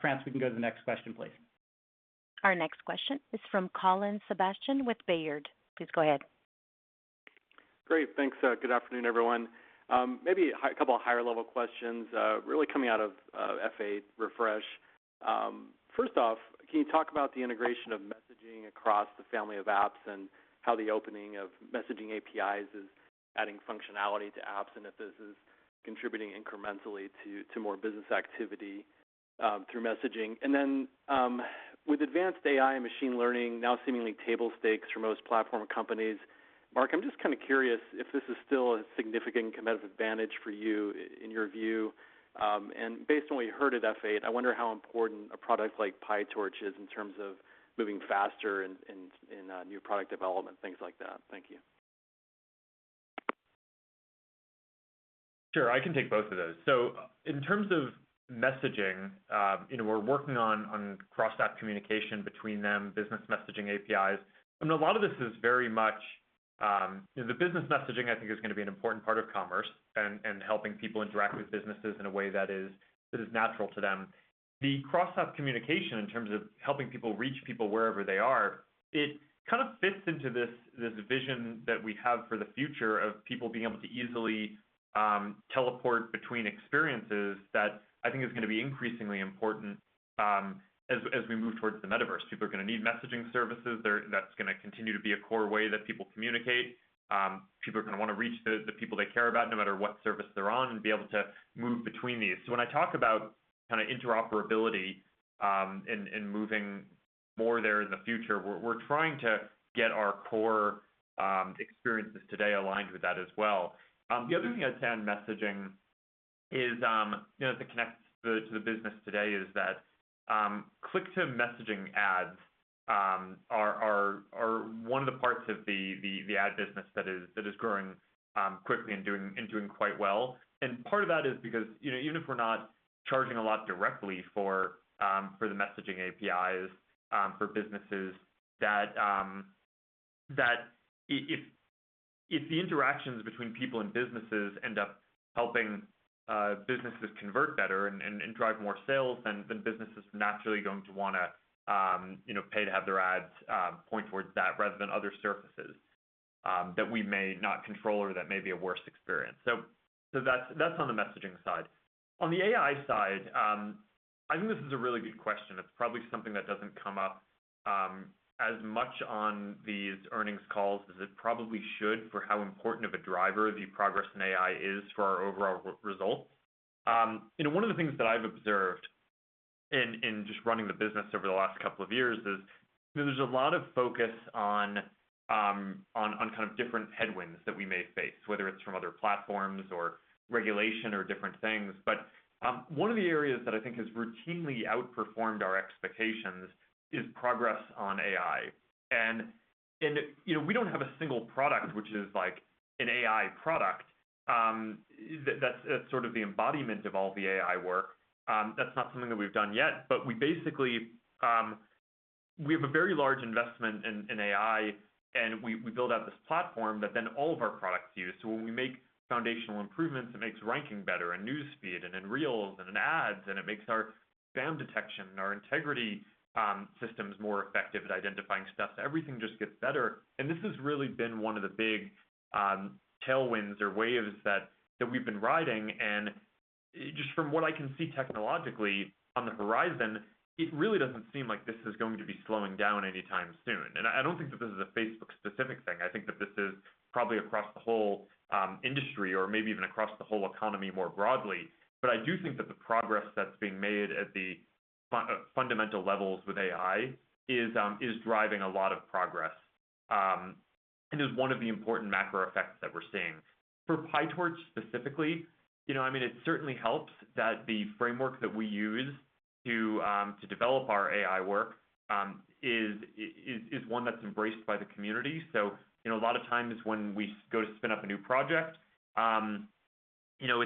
France, we can go to the next question, please. Our next question is from Colin Sebastian with Baird. Please go ahead. Great. Thanks. Good afternoon, everyone. Maybe a couple of higher level questions, really coming out of F8 Refresh. First off, can you talk about the integration of messaging across the family of apps and how the opening of messaging APIs is adding functionality to apps, and if this is contributing incrementally to more business activity through messaging? Then, with advanced AI and machine learning now seemingly table stakes for most platform companies, Mark, I'm just kind of curious if this is still a significant competitive advantage for you in your view. Based on what you heard at F8, I wonder how important a product like PyTorch is in terms of moving faster in new product development, things like that. Thank you. Sure. I can take both of those. In terms of messaging, you know, we're working on cross-app communication between them, business messaging APIs, and a lot of this is very much, you know, the business messaging I think is gonna be an important part of commerce and helping people interact with businesses in a way that is natural to them. The cross-app communication in terms of helping people reach people wherever they are, it kind of fits into this vision that we have for the future of people being able to easily teleport between experiences that I think is gonna be increasingly important as we move towards the metaverse. People are gonna need messaging services. That's gonna continue to be a core way that people communicate. People are gonna wanna reach the people they care about no matter what service they're on and be able to move between these. When I talk about kind of interoperability, in moving more there in the future, we're trying to get our core experiences today aligned with that as well. The other thing I'd say on messaging is, you know, that connects to the business today is that, click-to-messaging ads, are one of the parts of the ad business that is growing, quickly and doing quite well. Part of that is because, you know, even if we're not charging a lot directly for the messaging APIs for businesses that if the interactions between people and businesses end up helping businesses convert better and drive more sales, then business is naturally going to wanna, you know, pay to have their ads point towards that rather than other surfaces that we may not control or that may be a worse experience. That's on the messaging side. On the AI side, I think this is a really good question. It's probably something that doesn't come up as much on these earnings calls as it probably should for how important of a driver the progress in AI is for our overall result. You know, one of the things that I've observed in just running the business over the last couple of years is, you know, there's a lot of focus on, on kind of different headwinds that we may face, whether it's from other platforms or regulation or different things. One of the areas that I think has routinely outperformed our expectations is progress on AI. You know, we don't have a single product which is, like, an AI product, that's sort of the embodiment of all the AI work. That's not something that we've done yet. We basically, we have a very large investment in AI, and we build out this platform that then all of our products use. When we make foundational improvements, it makes ranking better in News Feed and in Reels and in Ads, and it makes our spam detection and our integrity systems more effective at identifying stuff. Everything just gets better, and this has really been one of the big tailwinds or waves that we've been riding. Just from what I can see technologically on the horizon, it really doesn't seem like this is going to be slowing down anytime soon. I don't think that this is a Facebook-specific thing. I think that this is probably across the whole industry or maybe even across the whole economy more broadly. I do think that the progress that's being made at the fundamental levels with AI is driving a lot of progress and is one of the important macro effects that we're seeing. For PyTorch specifically, you know, I mean, it certainly helps that the framework that we use to develop our AI work, is one that's embraced by the community. You know, a lot of times when we go to spin up a new project, you know,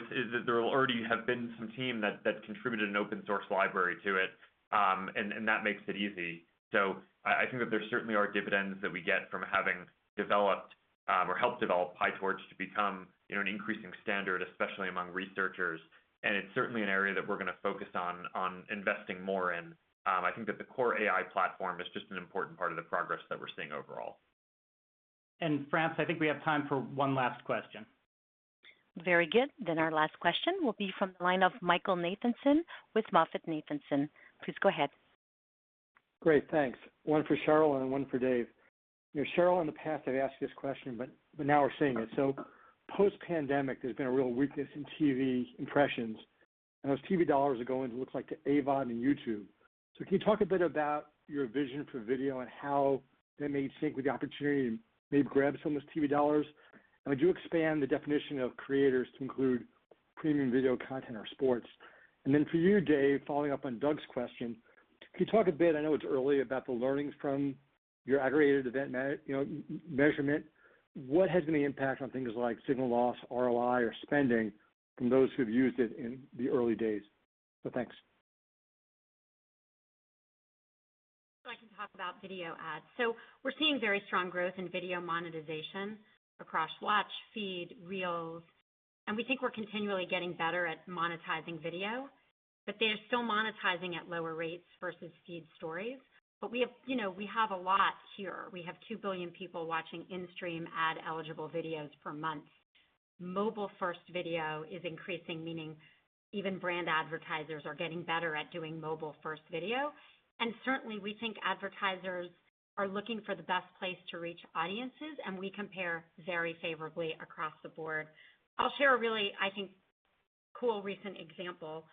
there will already have been some team that contributed an open source library to it. That makes it easy. I think that there certainly are dividends that we get from having developed or helped develop PyTorch to become, you know, an increasing standard, especially among researchers. It's certainly an area that we're gonna focus on investing more in. I think that the core AI platform is just an important part of the progress that we're seeing overall. France, I think we have time for one last question. Very good. Our last question will be from the line of Michael Nathanson with MoffettNathanson. Please go ahead. Great. Thanks. One for Sheryl and one for Dave. You know, Sheryl, in the past I've asked you this question, but now we're seeing it. Post-pandemic, there's been a real weakness in TV impressions, and those TV dollars are going, it looks like, to AVOD and YouTube. Can you talk a bit about your vision for video and how that may sync with the opportunity and maybe grab some of those TV dollars? Would you expand the definition of creators to include premium video content or sports? For you, Dave, following up on Doug's question, can you talk a bit, I know it's early, about the learnings from your Aggregated Event Measurement? What has been the impact on things like signal loss, ROI, or spending from those who've used it in the early days? Thanks. I can talk about video ads. We're seeing very strong growth in video monetization across Watch, Feed, Reels, and we think we're continually getting better at monetizing video. They are still monetizing at lower rates versus Feed Stories. We have, you know, we have a lot here. We have 2 billion people watching in-stream ad-eligible videos per month. Mobile-first video is increasing, meaning even brand advertisers are getting better at doing mobile-first video. Certainly, we think advertisers are looking for the best place to reach audiences, and we compare very favorably across the board. I'll share a really, I think, cool recent example.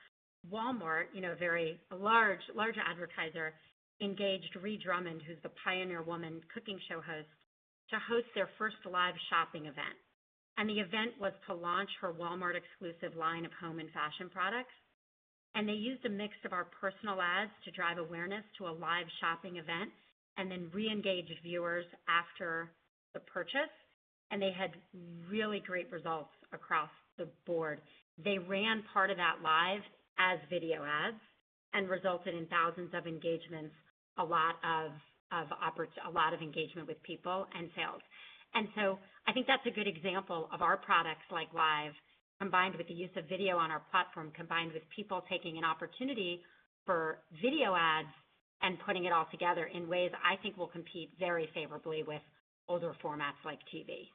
Walmart, you know, a very large advertiser, engaged Ree Drummond, who's The Pioneer Woman cooking show host, to host their first live shopping event. The event was to launch her Walmart-exclusive line of home and fashion products. They used a mix of our personal ads to drive awareness to a live shopping event and then re-engage viewers after the purchase. They had really great results across the board. They ran part of that live as video ads and resulted in thousands of engagements, a lot of engagement with people and sales. I think that's a good example of our products like Live, combined with the use of video on our platform, combined with people taking an opportunity for video ads and putting it all together in ways I think will compete very favorably with older formats like TV.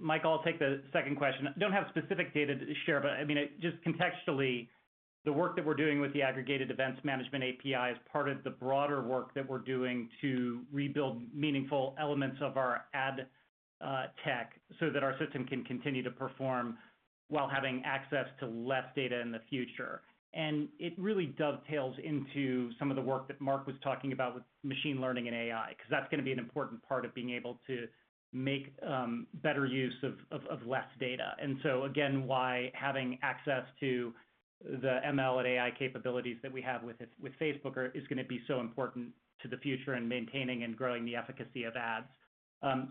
Mike, I'll take the second question. I don't have specific data to share, but I mean, just contextually, the work that we're doing with the Aggregated Event Measurement API is part of the broader work that we're doing to rebuild meaningful elements of our ad tech so that our system can continue to perform while having access to less data in the future. It really dovetails into some of the work that Mark was talking about with machine learning and AI, because that's gonna be an important part of being able to make better use of less data. Again, why having access to the ML and AI capabilities that we have with Facebook is gonna be so important to the future in maintaining and growing the efficacy of ads.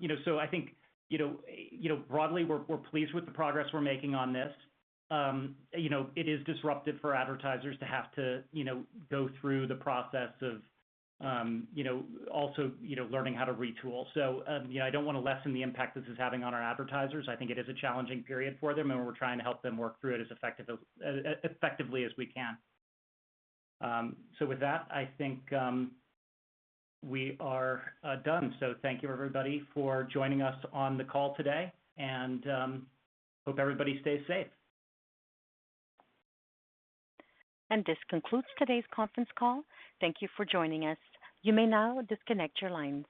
You know, I think, you know, broadly, we're pleased with the progress we're making on this. You know, it is disruptive for advertisers to have to, you know, go through the process of, also, learning how to retool. You know, I don't wanna lessen the impact this is having on our advertisers. I think it is a challenging period for them, and we're trying to help them work through it as effectively as we can. With that, I think we are done. Thank you, everybody, for joining us on the call today, and hope everybody stays safe. This concludes today's conference call. Thank you for joining us. You may now disconnect your lines.